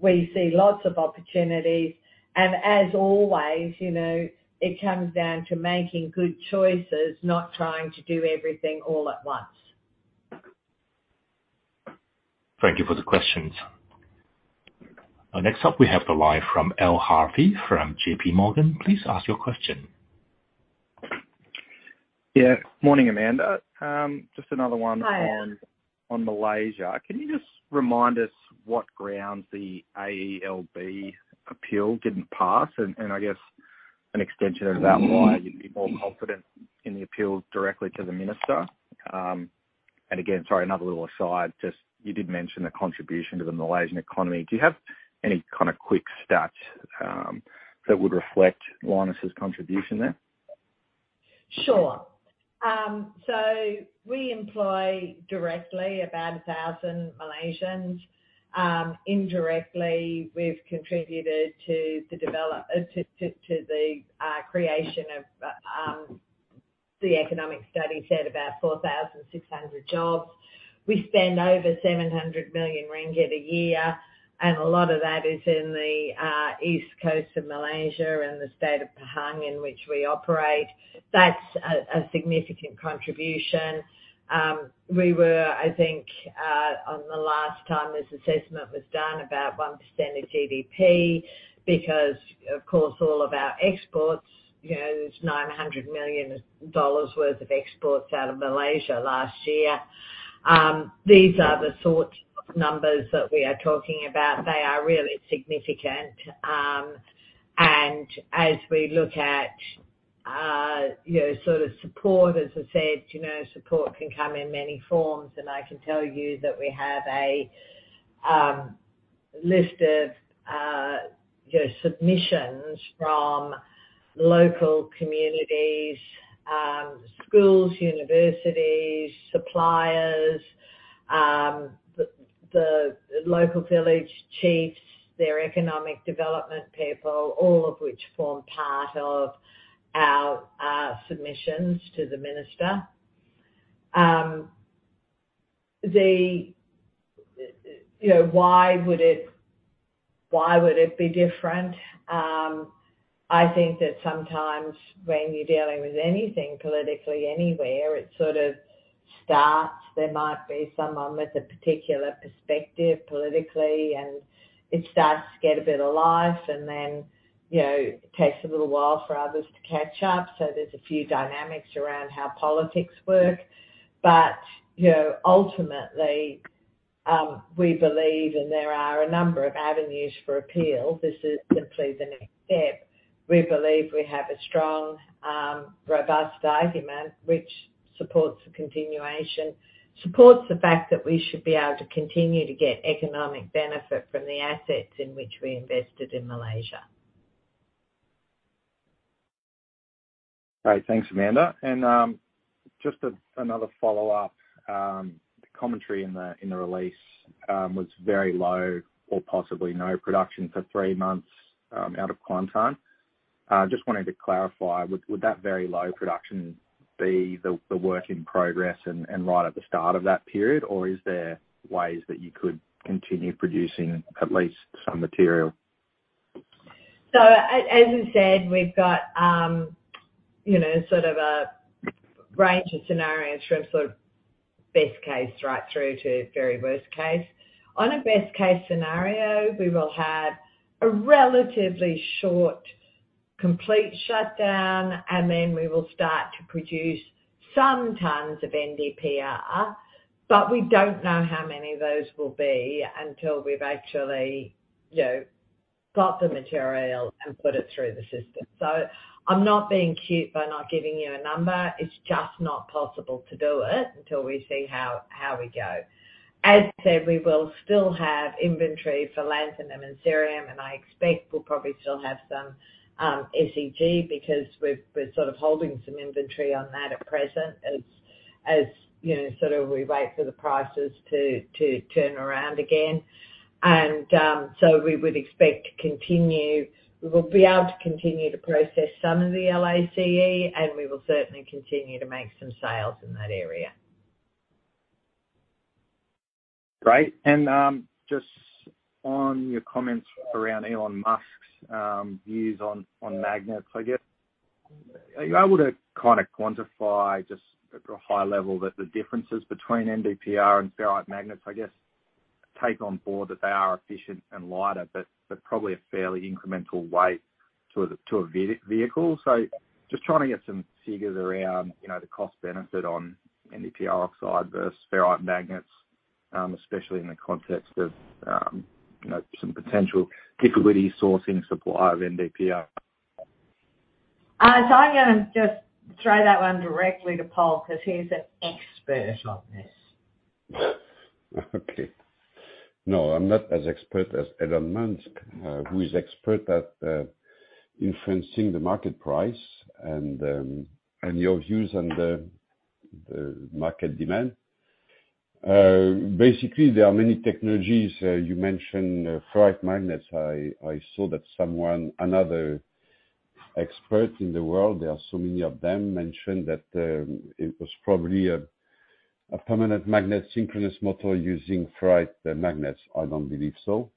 we see lots of opportunities. As always, you know, it comes down to making good choices not trying to do everything all at once. Thank you for the questions. Next up, we have the line from Al Harvey from J.P. Morgan. Please ask your question. Yeah. Morning, Amanda. Just another one. Hi Al. On Malaysia can you just remind us what grounds the AELB appeal didn't pass? I guess an extension of that- Mm-hmm. -why you'd be more confident in the appeal directly to the minister. Again, sorry, another little aside just you did mention the contribution to the Malaysian economy. Do you have any kind of quick stats that would reflect Lynas' contribution there? We employ directly about 1,000 Malaysians. Indirectly, we've contributed to the creation of the economic study set about 4,600 jobs. We spend over 700 million ringgit a year, and a lot of that is in the east coast of Malaysia and the state of Pahang in which we operate. That's a significant contribution. We were, I think, on the last time this assessment was done, about 1% of GDP because of course, all of our exports, you know, there's $900 million worth of exports out of Malaysia last year. These are the sort of numbers that we are talking about. They are really significant. As we look at, you know, sort of support, as I said, you know, support can come in many forms. I can tell you that we have a list of, you know, submissions from local communities, schools, universities, suppliers, the local village chiefs, their economic development people all of which form part of our submissions to the minister. The, you know, why would it why would it be different? I think that sometimes when you're dealing with anything politically anywhere it sort of starts. There might be someone with a particular perspective politically and it starts to get a bit of life and then, you know, it takes a little while for others to catch up there's a few dynamics around how politics work. You know, ultimately we believe and there are a number of avenues for appeal this is simply the next step. We believe we have a strong robust argument which supports the continuation supports the fact that we should be able to continue to get economic benefit from the assets in which we invested in Malaysia. Great. Thanks, Amanda. Just another follow-up. The commentary in the release was very low or possibly no production for three months out of Kuantan. Just wanted to clarify, would that very low production be the work in progress and right at the start of that period? Or is there ways that you could continue producing at least some material? As we said, we've got, you know, sort of a range of scenarios from sort of best case right through to very worst case. On a best-case scenario we will have a relatively short complete shutdown and then we will start to produce some tons of NdPr but we don't know how many of those will be until we've actually, you know, got the material and put it through the system. I'm not being cute by not giving you a number. It's just not possible to do it until we see how we go. As said, we will still have inventory for lanthanum and cerium, and I expect we'll probably still have some SEG because we're sort of holding some inventory on that at present as, you know, sort of we wait for the prices to turn around again. We would expect to continue. We will be able to continue to process some of the LACE, and we will certainly continue to make some sales in that area. Great. Just on your comments around Elon Musk's views on magnets, I guess are you able to kind of quantify just at a high level that the differences between NdPr and ferrite magnets, I guess? Take on board that they are efficient and lighter, but probably a fairly incremental weight to a vehicle. Just trying to get some figures around, you know, the cost benefit on NdPr oxide versus ferrite magnets, especially in the context of, you know, some potential difficulty sourcing supply of NdPr. I'm gonna just throw that one directly to Pol, 'cause he's the expert on this. Okay. No, I'm not as expert as Adam Mantz, who is expert at influencing the market price and your views on the market demand. Basically, there are many technologies, you mentioned ferrite magnets I saw that someone another expert in the world, there are so many of them, mentioned that it was probably a permanent magnet synchronous motor using ferrite magnets I don't believe so.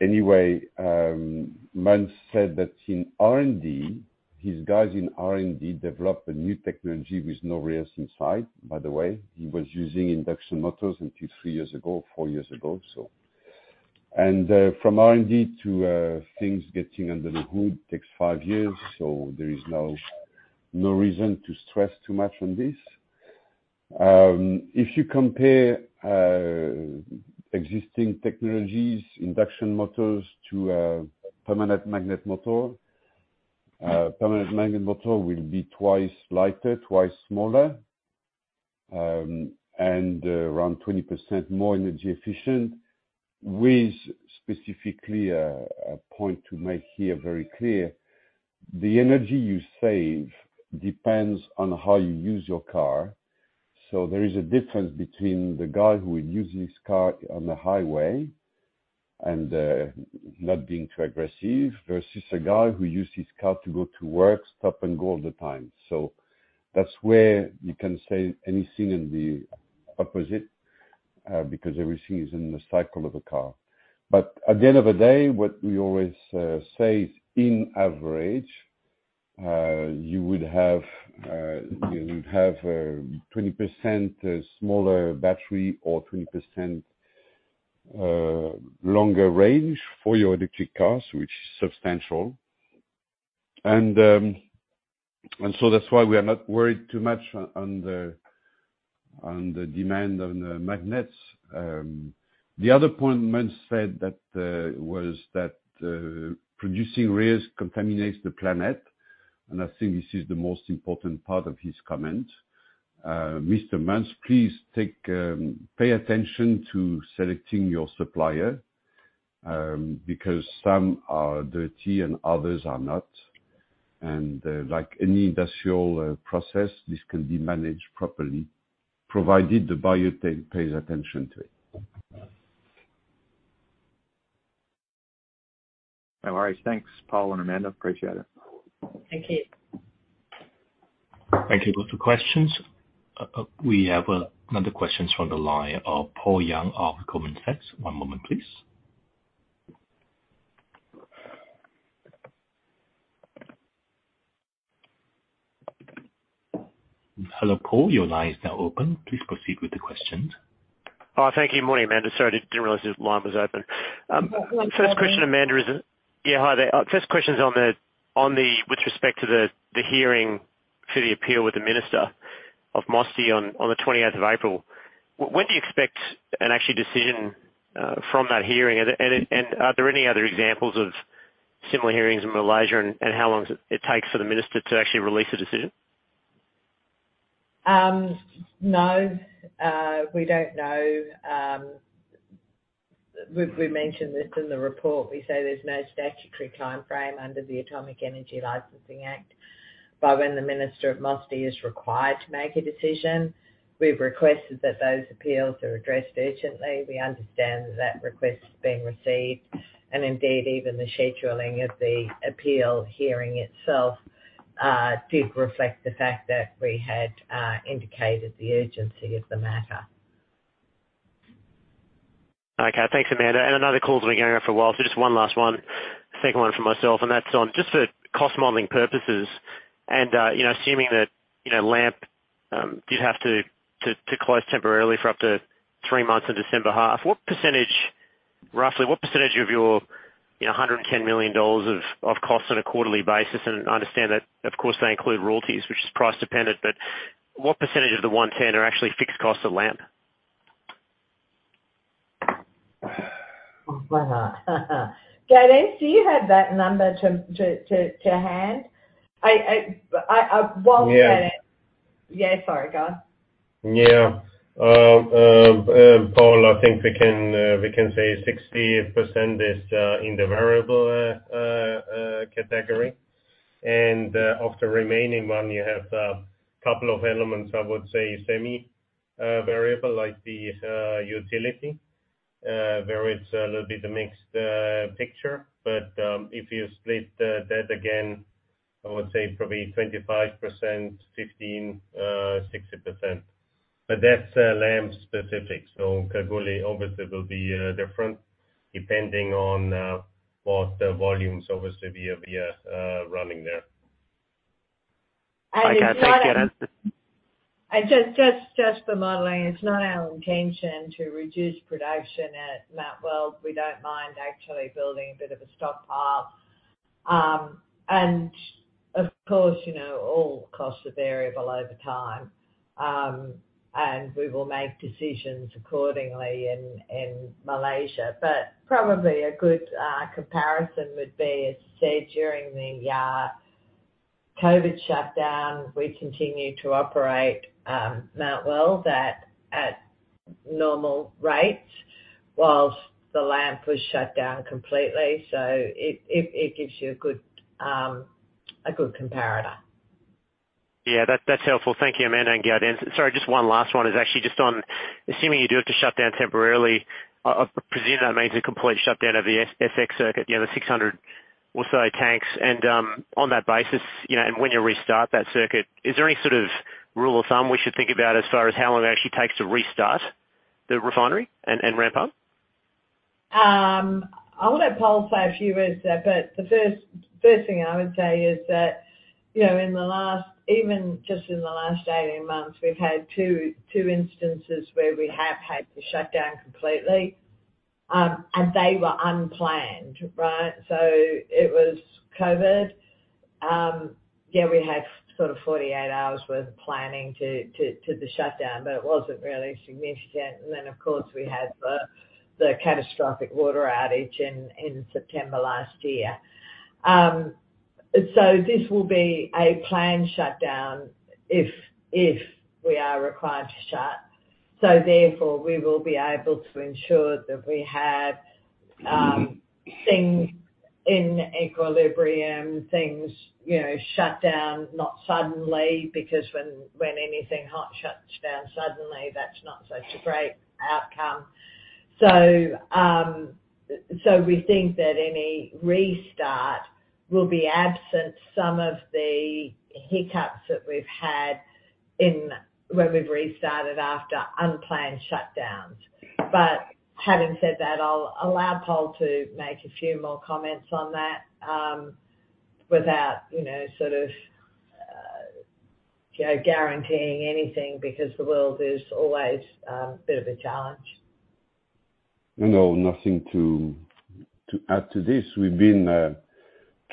Anyway, Mantz said that in R&D his guys in R&D developed a new technology with no rares inside. By the way, he was using induction motors until three years ago, four years ago, so. From R&D to things getting under the hood takes five years, so there is no reason to stress too much on this. If you compare existing technologies induction motors to a permanent magnet motor permanent magnet motor will be twice lighter, twice smaller, and around 20% more energy efficient with specifically a point to make here very clear. The energy you save depends on how you use your car. There is a difference between the guy who will use his car on the highway and not being too aggressive versus a guy who use his car to go to work, stop and go all the time. That's where you can say anything and the opposite because everything is in the cycle of a car. At the end of the day, what we always say is, in average you would have, you would have a 20% smaller battery or 20% longer range for your electric cars, which is substantial. So that's why we are not worried too much on the demand on the magnets. The other point Mantz said that was that producing rares contaminates the planet and I think this is the most important part of his comment. Mr. Mantz, please pay attention to selecting your supplier, because some are dirty and others are not. Like any industrial process, this can be managed properly provided the buyer pays attention to it. No worries. Thanks, Pol and Amanda. Appreciate it. Thank you. Thank you both for questions. We have another question from the line of Paul Young of Goldman Sachs. One moment, please. Hello, Paul. Your line is now open. Please proceed with the questions. Oh, thank you. Morning, Amanda. Sorry, didn't realize this line was open. First question, Amanda, is that... Yeah. Hi there. First question's on the with respect to the hearing for the appeal with the Minister of MOSTI on the 20th of April. When do you expect an actually decision from that hearing? Are there any other examples of similar hearings in Malaysia and how long does it takes for the Minister to actually release a decision? No. We don't know. We mentioned this in the report we say there's no statutory timeframe under the Atomic Energy Licensing Act by when the Minister of MOSTI is required to make a decision. We've requested that those appeals are addressed urgently. We understand that request has been received, indeed, even the scheduling of the appeal hearing itself did reflect the fact that we had indicated the urgency of the matter. Okay. Thanks, Amanda and another call has been going around for a while, so just one last one. Second one from myself, and that's on just for cost modeling purposes. You know, assuming that, you know, LAMP did have to close temporarily for up to three months in December half, what percentage, roughly, what percentage of your, you know, $110 million of costs on a quarterly basis and I understand that, of course, they include royalties which is price dependent but what percentage of the $110 are actually fixed costs of LAMP? Well. Gaudenz, do you have that number to hand? I won't get it. Yeah. Yeah. Sorry, go on. Yeah. Paul, I think we can say 60% is in the variable category. Of the remaining one, you have couple of elements, I would say semi variable, like the utility. There is a little bit of mixed picture. If you split that again, I would say probably 25%, 15%, 60% that's LAMP specific. Kalgoorlie obviously will be different depending on what the volumes obviously we are running there. Okay, thank you. Just for modeling it's not our intention to reduce production at Mount Weld. We don't mind actually building a bit of a stockpile. Of course, you know, all costs are variable over time. We will make decisions accordingly in Malaysia. Probably a good comparison would be, as said during the COVID shutdown, we continued to operate Mount Weld at normal rates whilst the LAMP was shut down completely. It gives you a good comparator. Yeah. That's helpful. Thank you, Amanda and Gaudenz. Sorry, just one last one. It's actually just on assuming you do have to shut down temporarily, I presume that means a complete shutdown of the SX circuit, you know, the 600 or so tanks. On that basis, you know, and when you restart that circuit. Is there any sort of rule of thumb we should think about as far as how long it actually takes to restart the refinery and ramp up? I'll let Pol say a few words there. The first thing I would say is that, you know, in the last even just in the last 18 months, we've had two instances where we have had to shut down completely and they were unplanned, right? It was COVID we had sort of 48 hours worth of planning to the shutdown but it wasn't really significant. Then, of course, we had the catastrophic water outage in September last year. This will be a planned shutdown if we are required to shut. Therefore, we will be able to ensure that we have things in equilibrium things, you know, shut down, not suddenly, because when anything hot shuts down suddenly that's not such a great outcome. We think that any restart will be absent some of the hiccups that we've had when we've restarted after unplanned shutdowns. Having said that, I'll allow Pol to make a few more comments on that without, you know, sort of, you know, guaranteeing anything because the world is always a bit of a challenge. No, nothing to add to this. We've been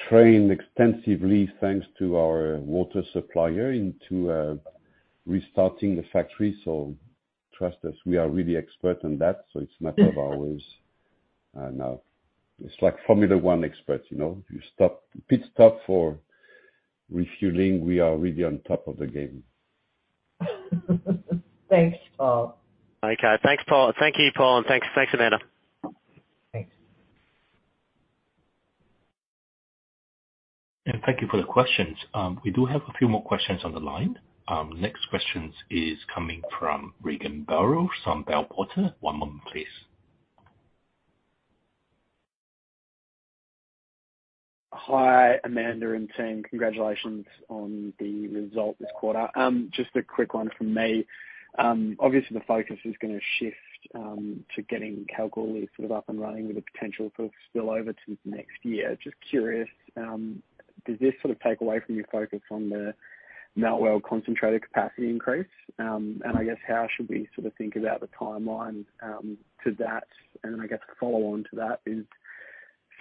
trained extensively, thanks to our water supplier into restarting the factory. Trust us, we are really expert in that. It's a matter of hours now. It's like Formula One experts, you know. You stop, pit stop for refueling, we are really on top of the game. Thanks, Pol. Okay. Thanks, Pol. Thank you, Pol. Thanks, Amanda. Thanks. Thank you for the questions. We do have a few more questions on the line. Next questions is coming from Regan Burrows from Bell Potter. One moment, please. Hi, Amanda and team. Congratulations on the result this quarter. Just a quick one from me. Obviously the focus is gonna shift to getting Kalgoorlie sort of up and running with the potential for spill over to next year. Just curious, does this sort of take away from your focus on the Mt Weld concentrated capacity increase? I guess how should we sort of think about the timeline to that? I guess a follow on to that is,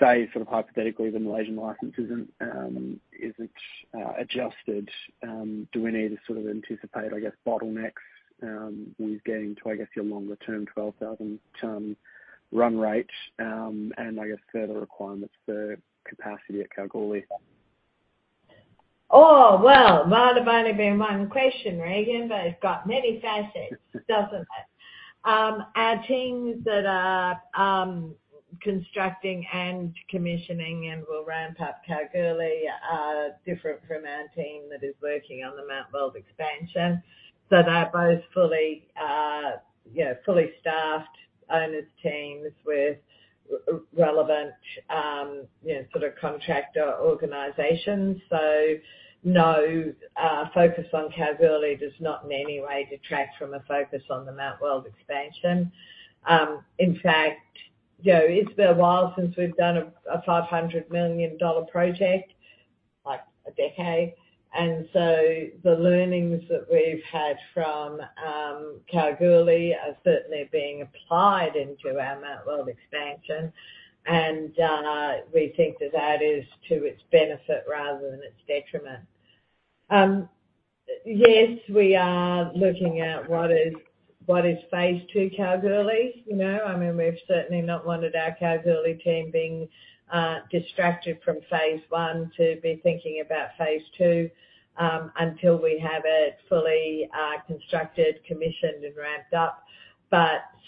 say sort of hypothetically, the Malaysian license isn't adjusted, do we need to sort of anticipate, I guess, bottlenecks with getting to, I guess, your longer-term 12,000 ton run rate, and I guess further requirements for capacity at Kalgoorlie? Well, that might have only been one question, Regan, but it's got many facets, doesn't it? Our teams that are constructing and commissioning and will ramp up Kalgoorlie are different from our team that is working on the Mount Weld expansion. They're both fully, you know, fully staffed owners teams with relevant, you know, sort of contractor organizations. No, focus on Kalgoorlie does not in any way detract from a focus on the Mount Weld expansion. In fact, you know, it's been a while since we've done a 500 million dollar project, like a decade. The learnings that we've had from Kalgoorlie are certainly being applied into our Mount Weld expansion. We think that that is to its benefit rather than its detriment. Yes, we are looking at what is phase two Kalgoorlie. You know, I mean, we've certainly not wanted our Kalgoorlie team being distracted from phase one to be thinking about phase two until we have it fully constructed, commissioned and ramped up.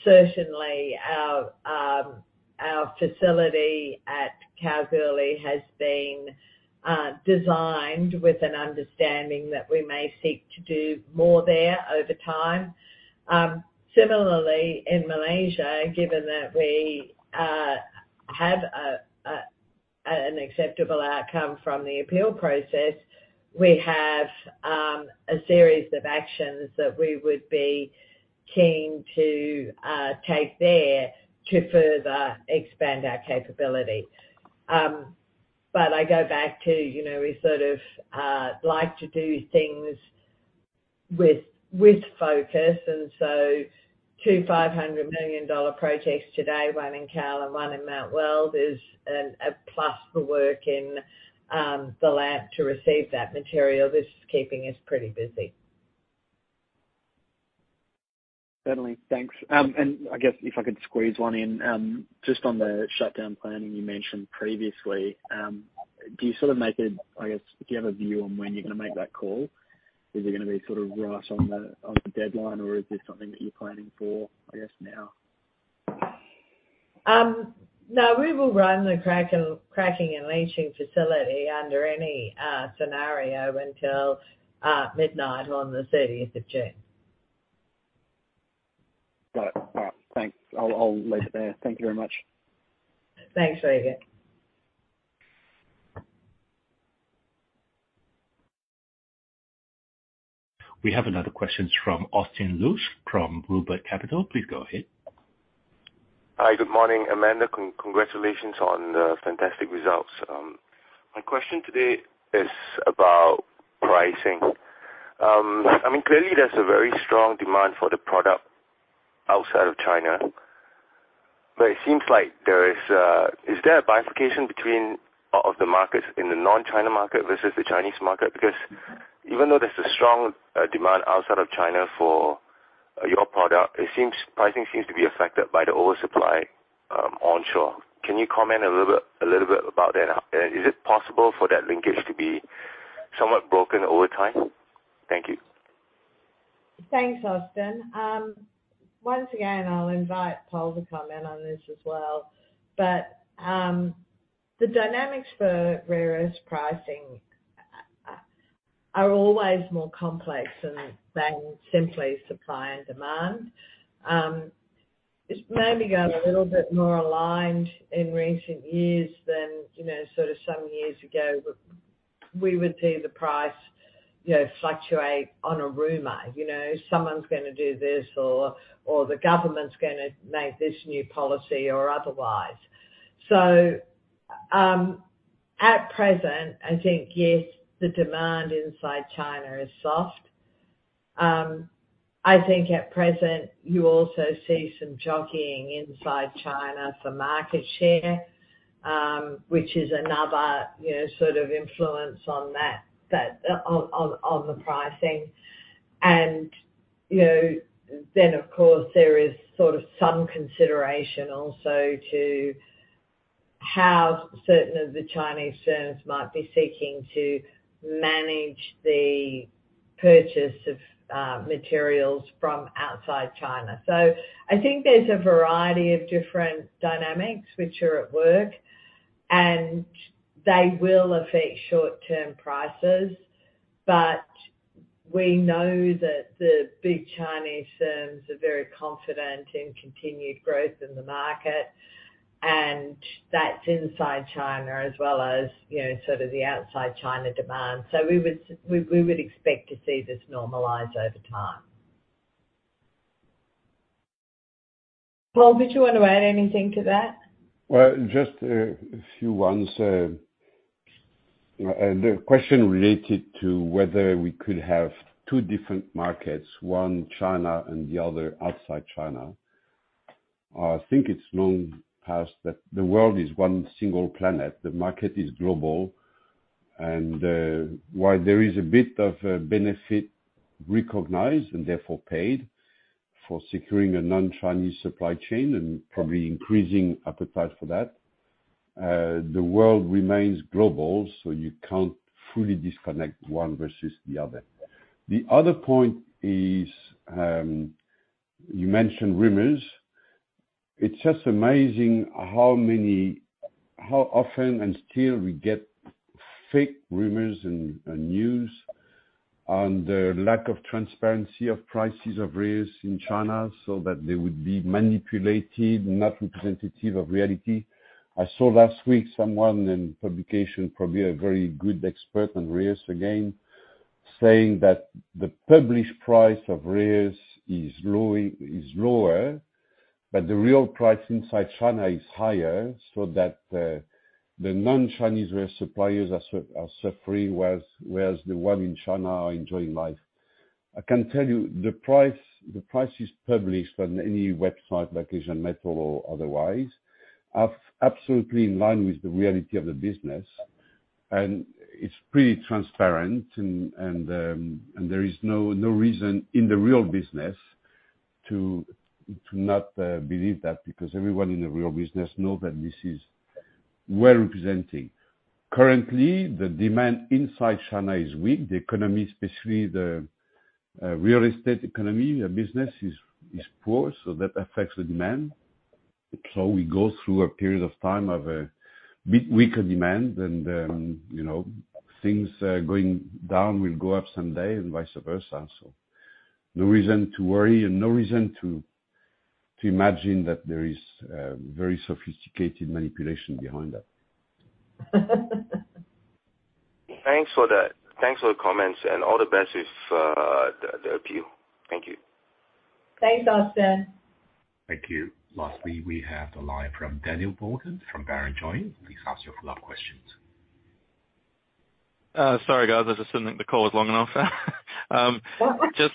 Certainly our facility at Kalgoorlie has been designed with an understanding that we may seek to do more there over time. Similarly in Malaysia, given that we have an acceptable outcome from the appeal process, we have a series of actions that we would be keen to take there to further expand our capability. I go back to, you know, we sort of like to do things with focus. 2 500 million dollar projects today, one in Kal and one in Mount Weld is a plus for work in the lab to receive that material. This is keeping us pretty busy. Certainly. Thanks. I guess if I could squeeze one in, just on the shutdown planning you mentioned previously. Do you sort of I guess, do you have a view on when you're gonna make that call? Is it gonna be sort of right on the on the deadline, or is this something that you're planning for, I guess, now? No, we will run the cracking and leaching facility under any scenario until midnight on the 13th of June. Got it. All right. Thanks. I'll leave it there. Thank you very much. Thanks, Regan. We have another question from Austin Power from Blue Lake Capital. Please go ahead. Hi. Good morning, Amanda. Congratulations on the fantastic results. My question today is about pricing. I mean, clearly there's a very strong demand for the product outside of China. Is there a bifurcation between of the markets in the non-China market versus the Chinese market? Even though there's a strong demand outside of China for your product, it seems pricing seems to be affected by the oversupply onshore. Can you comment a little bit about that? Is it possible for that linkage to be somewhat broken over time? Thank you. Thanks, Austin. once again, I'll invite Pol to comment on this as well. The dynamics for rare earths pricing are always more complex than simply supply and demand. It's maybe gotten a little bit more aligned in recent years than, you know, sort of some years ago. We would see the price, you know, fluctuate on a rumor, you know, someone's gonna do this or the government's gonna make this new policy or otherwise. At present, I think, yes, the demand inside China is soft. I think at present you also see some jockeying inside China for market share which is another, you know, sort of influence on that, on the pricing. You know, then of course there is sort of some consideration also to how certain of the Chinese firms might be seeking to manage the purchase of materials from outside China. I think there's a variety of different dynamics which are at work, and they will affect short-term prices. We know that the big Chinese firms are very confident in continued growth in the marketand that's inside China as well as, you know, sort of the outside China demand. We would, we would expect to see this normalize over time. Pol, did you want to add anything to that? Well, just a few ones. The question related to whether we could have two different markets, one China and the other outside China. I think it's long past that the world is one single planet. The market is global while there is a bit of a benefit recognized and therefore paid for securing a non-Chinese supply chain and probably increasing appetite for that. The world remains global, so you can't fully disconnect one versus the other. The other point is you mentioned rumors. It's just amazing how often and still we get fake rumors and news on the lack of transparency of prices of rare earths in China, so that they would be manipulated, not representative of reality. I saw last week someone in publication, probably a very good expert on rare earths again, saying that the published price of rare earths is lower, but the real price inside China is higher so that the non-Chinese rare suppliers are suffering, whereas the one in China are enjoying life. I can tell you the price, the prices published on any website like Asian Metal or otherwise are absolutely in line with the reality of the business, and it's pretty transparent and there is no reason in the real business to not believe that because everyone in the real business know that this is well representing. Currently, the demand inside China is weak. The economy, especially the real estate economy, the business is poor, so that affects the demand. We go through a period of time of weaker demand and, you know, things going down will go up someday and vice versa. No reason to worry and no reason to imagine that there is very sophisticated manipulation behind that. Thanks for that. Thanks for the comments and all the best with the appeal. Thank you. Thanks, Austin. Thank you. Lastly, we have the line from Daniel Morgan from Barrenjoey. Please ask your follow-up questions. Sorry guys, I just didn't think the call was long enough. Just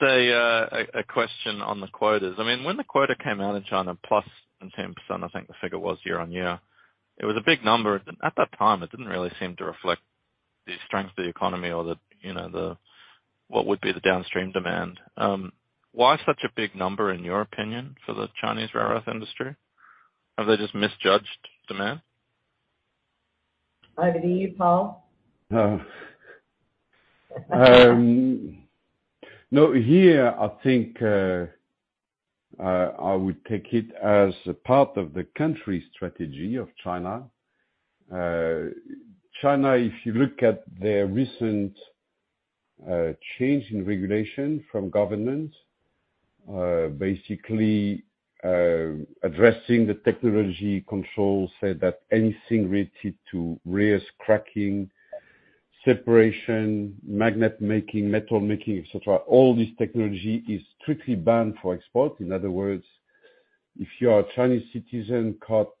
a question on the quotas. I mean, when the quota came out in China plus and 10%, I think the figure was year-over-year, it was a big number. At that time, it didn't really seem to reflect the strength of the economy or the, you know, what would be the downstream demand. Why such a big number in your opinion for the Chinese rare earth industry? Have they just misjudged demand? Over to you, Pol. No, here, I think, I would take it as a part of the country's strategy of China. China, if you look at their recent change in regulation from government basically addressing the technology control, say that anything related to rare earth cracking, separation, magnet making, metal making, et cetera, all this technology is strictly banned for export. In other words, if you are a Chinese citizen caught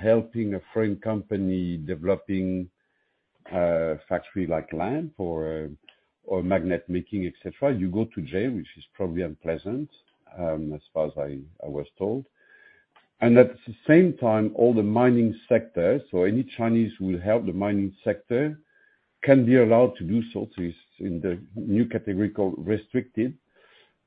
helping a foreign company developing a factory like LAMP or magnet making, et cetera, you go to jail, which is probably unpleasant, as far as I was told. At the same time, all the mining sector, any Chinese who will help the mining sector, can be allowed to do so. It's in the new category called restricted,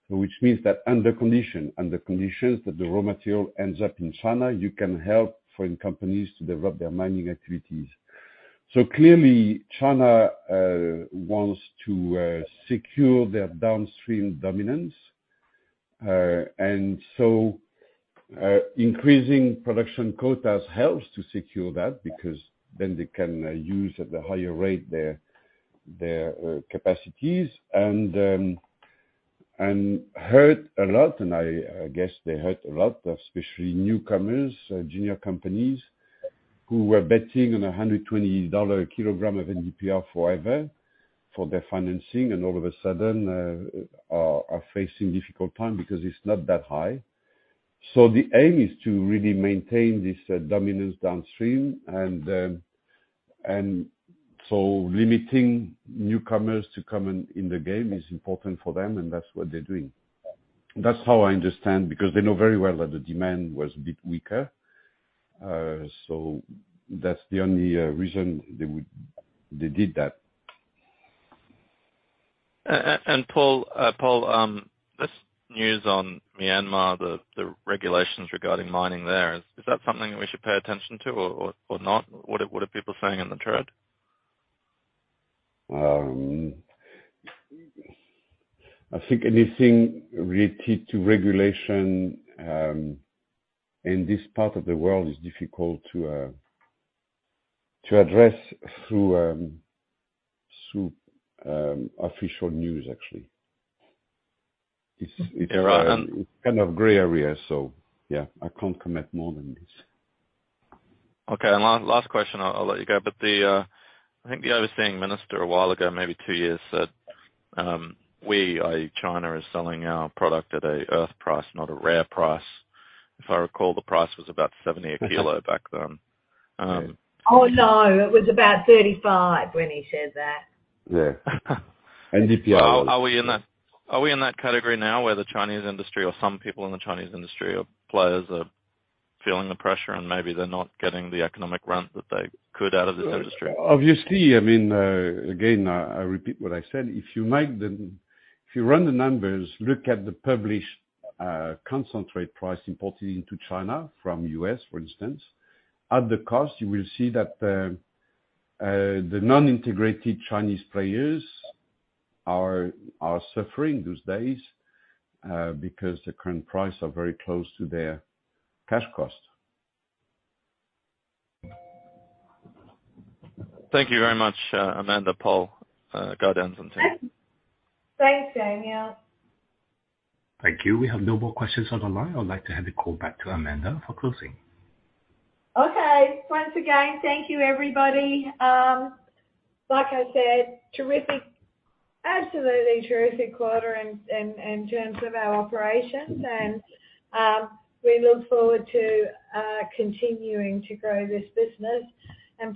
which means that under condition, under conditions that the raw material ends up in China, you can help foreign companies to develop their mining activities. Clearly, China wants to secure their downstream dominance. Increasing production quotas helps to secure that because then they can use at the higher rate their capacities and I guess they hurt a lot, especially newcomers, junior companies who are betting on $120 a kilogram of NdPr forever for their financing, and all of a sudden are facing difficult time because it's not that high. The aim is to really maintain this dominance downstream. Limiting newcomers to come in the game is important for them, and that's what they're doing. That's how I understand because they know very well that the demand was a bit weaker. That's the only reason they did that. Pol, this news on Myanmar, the regulations regarding mining there, is that something we should pay attention to or not? What are people saying in the trade? I think anything related to regulation in this part of the world is difficult to address through official news, actually. There are. It's kind of gray area. Yeah, I can't commit more than this. Okay. Last question, I'll let you go. The I think the overseeing minister a while ago, maybe two years, said, We, i.e. China, is selling our product at a earth price, not a rare price. If I recall, the price was about 78 kilo back then. Oh, no, it was about 35 when he said that. Yeah. NdPr was. Are we in that category now where the Chinese industry or some people in the Chinese industry or players are feeling the pressure and maybe they're not getting the economic rent that they could out of this industry? Obviously, I mean, again, I repeat what I said. If you run the numbers, look at the published, concentrate price imported into China from U.S., for instance, at the cost, you will see that, the non-integrated Chinese players are suffering these days, because the current price are very close to their cash cost. Thank you very much, Amanda, Pol, Gaudenz. Thanks, Daniel. Thank you. We have no more questions on the line. I'd like to hand the call back to Amanda for closing. Okay. Once again, thank you everybody. Like I said, terrific, absolutely terrific quarter in terms of our operations. We look forward to continuing to grow this business.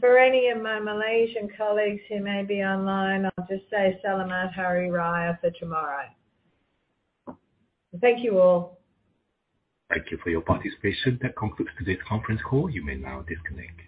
For any of my Malaysian colleagues who may be online, I'll just say Selamat Hari Raya for tomorrow. Thank you all. Thank you for your participation. That concludes today's conference call. You may now disconnect.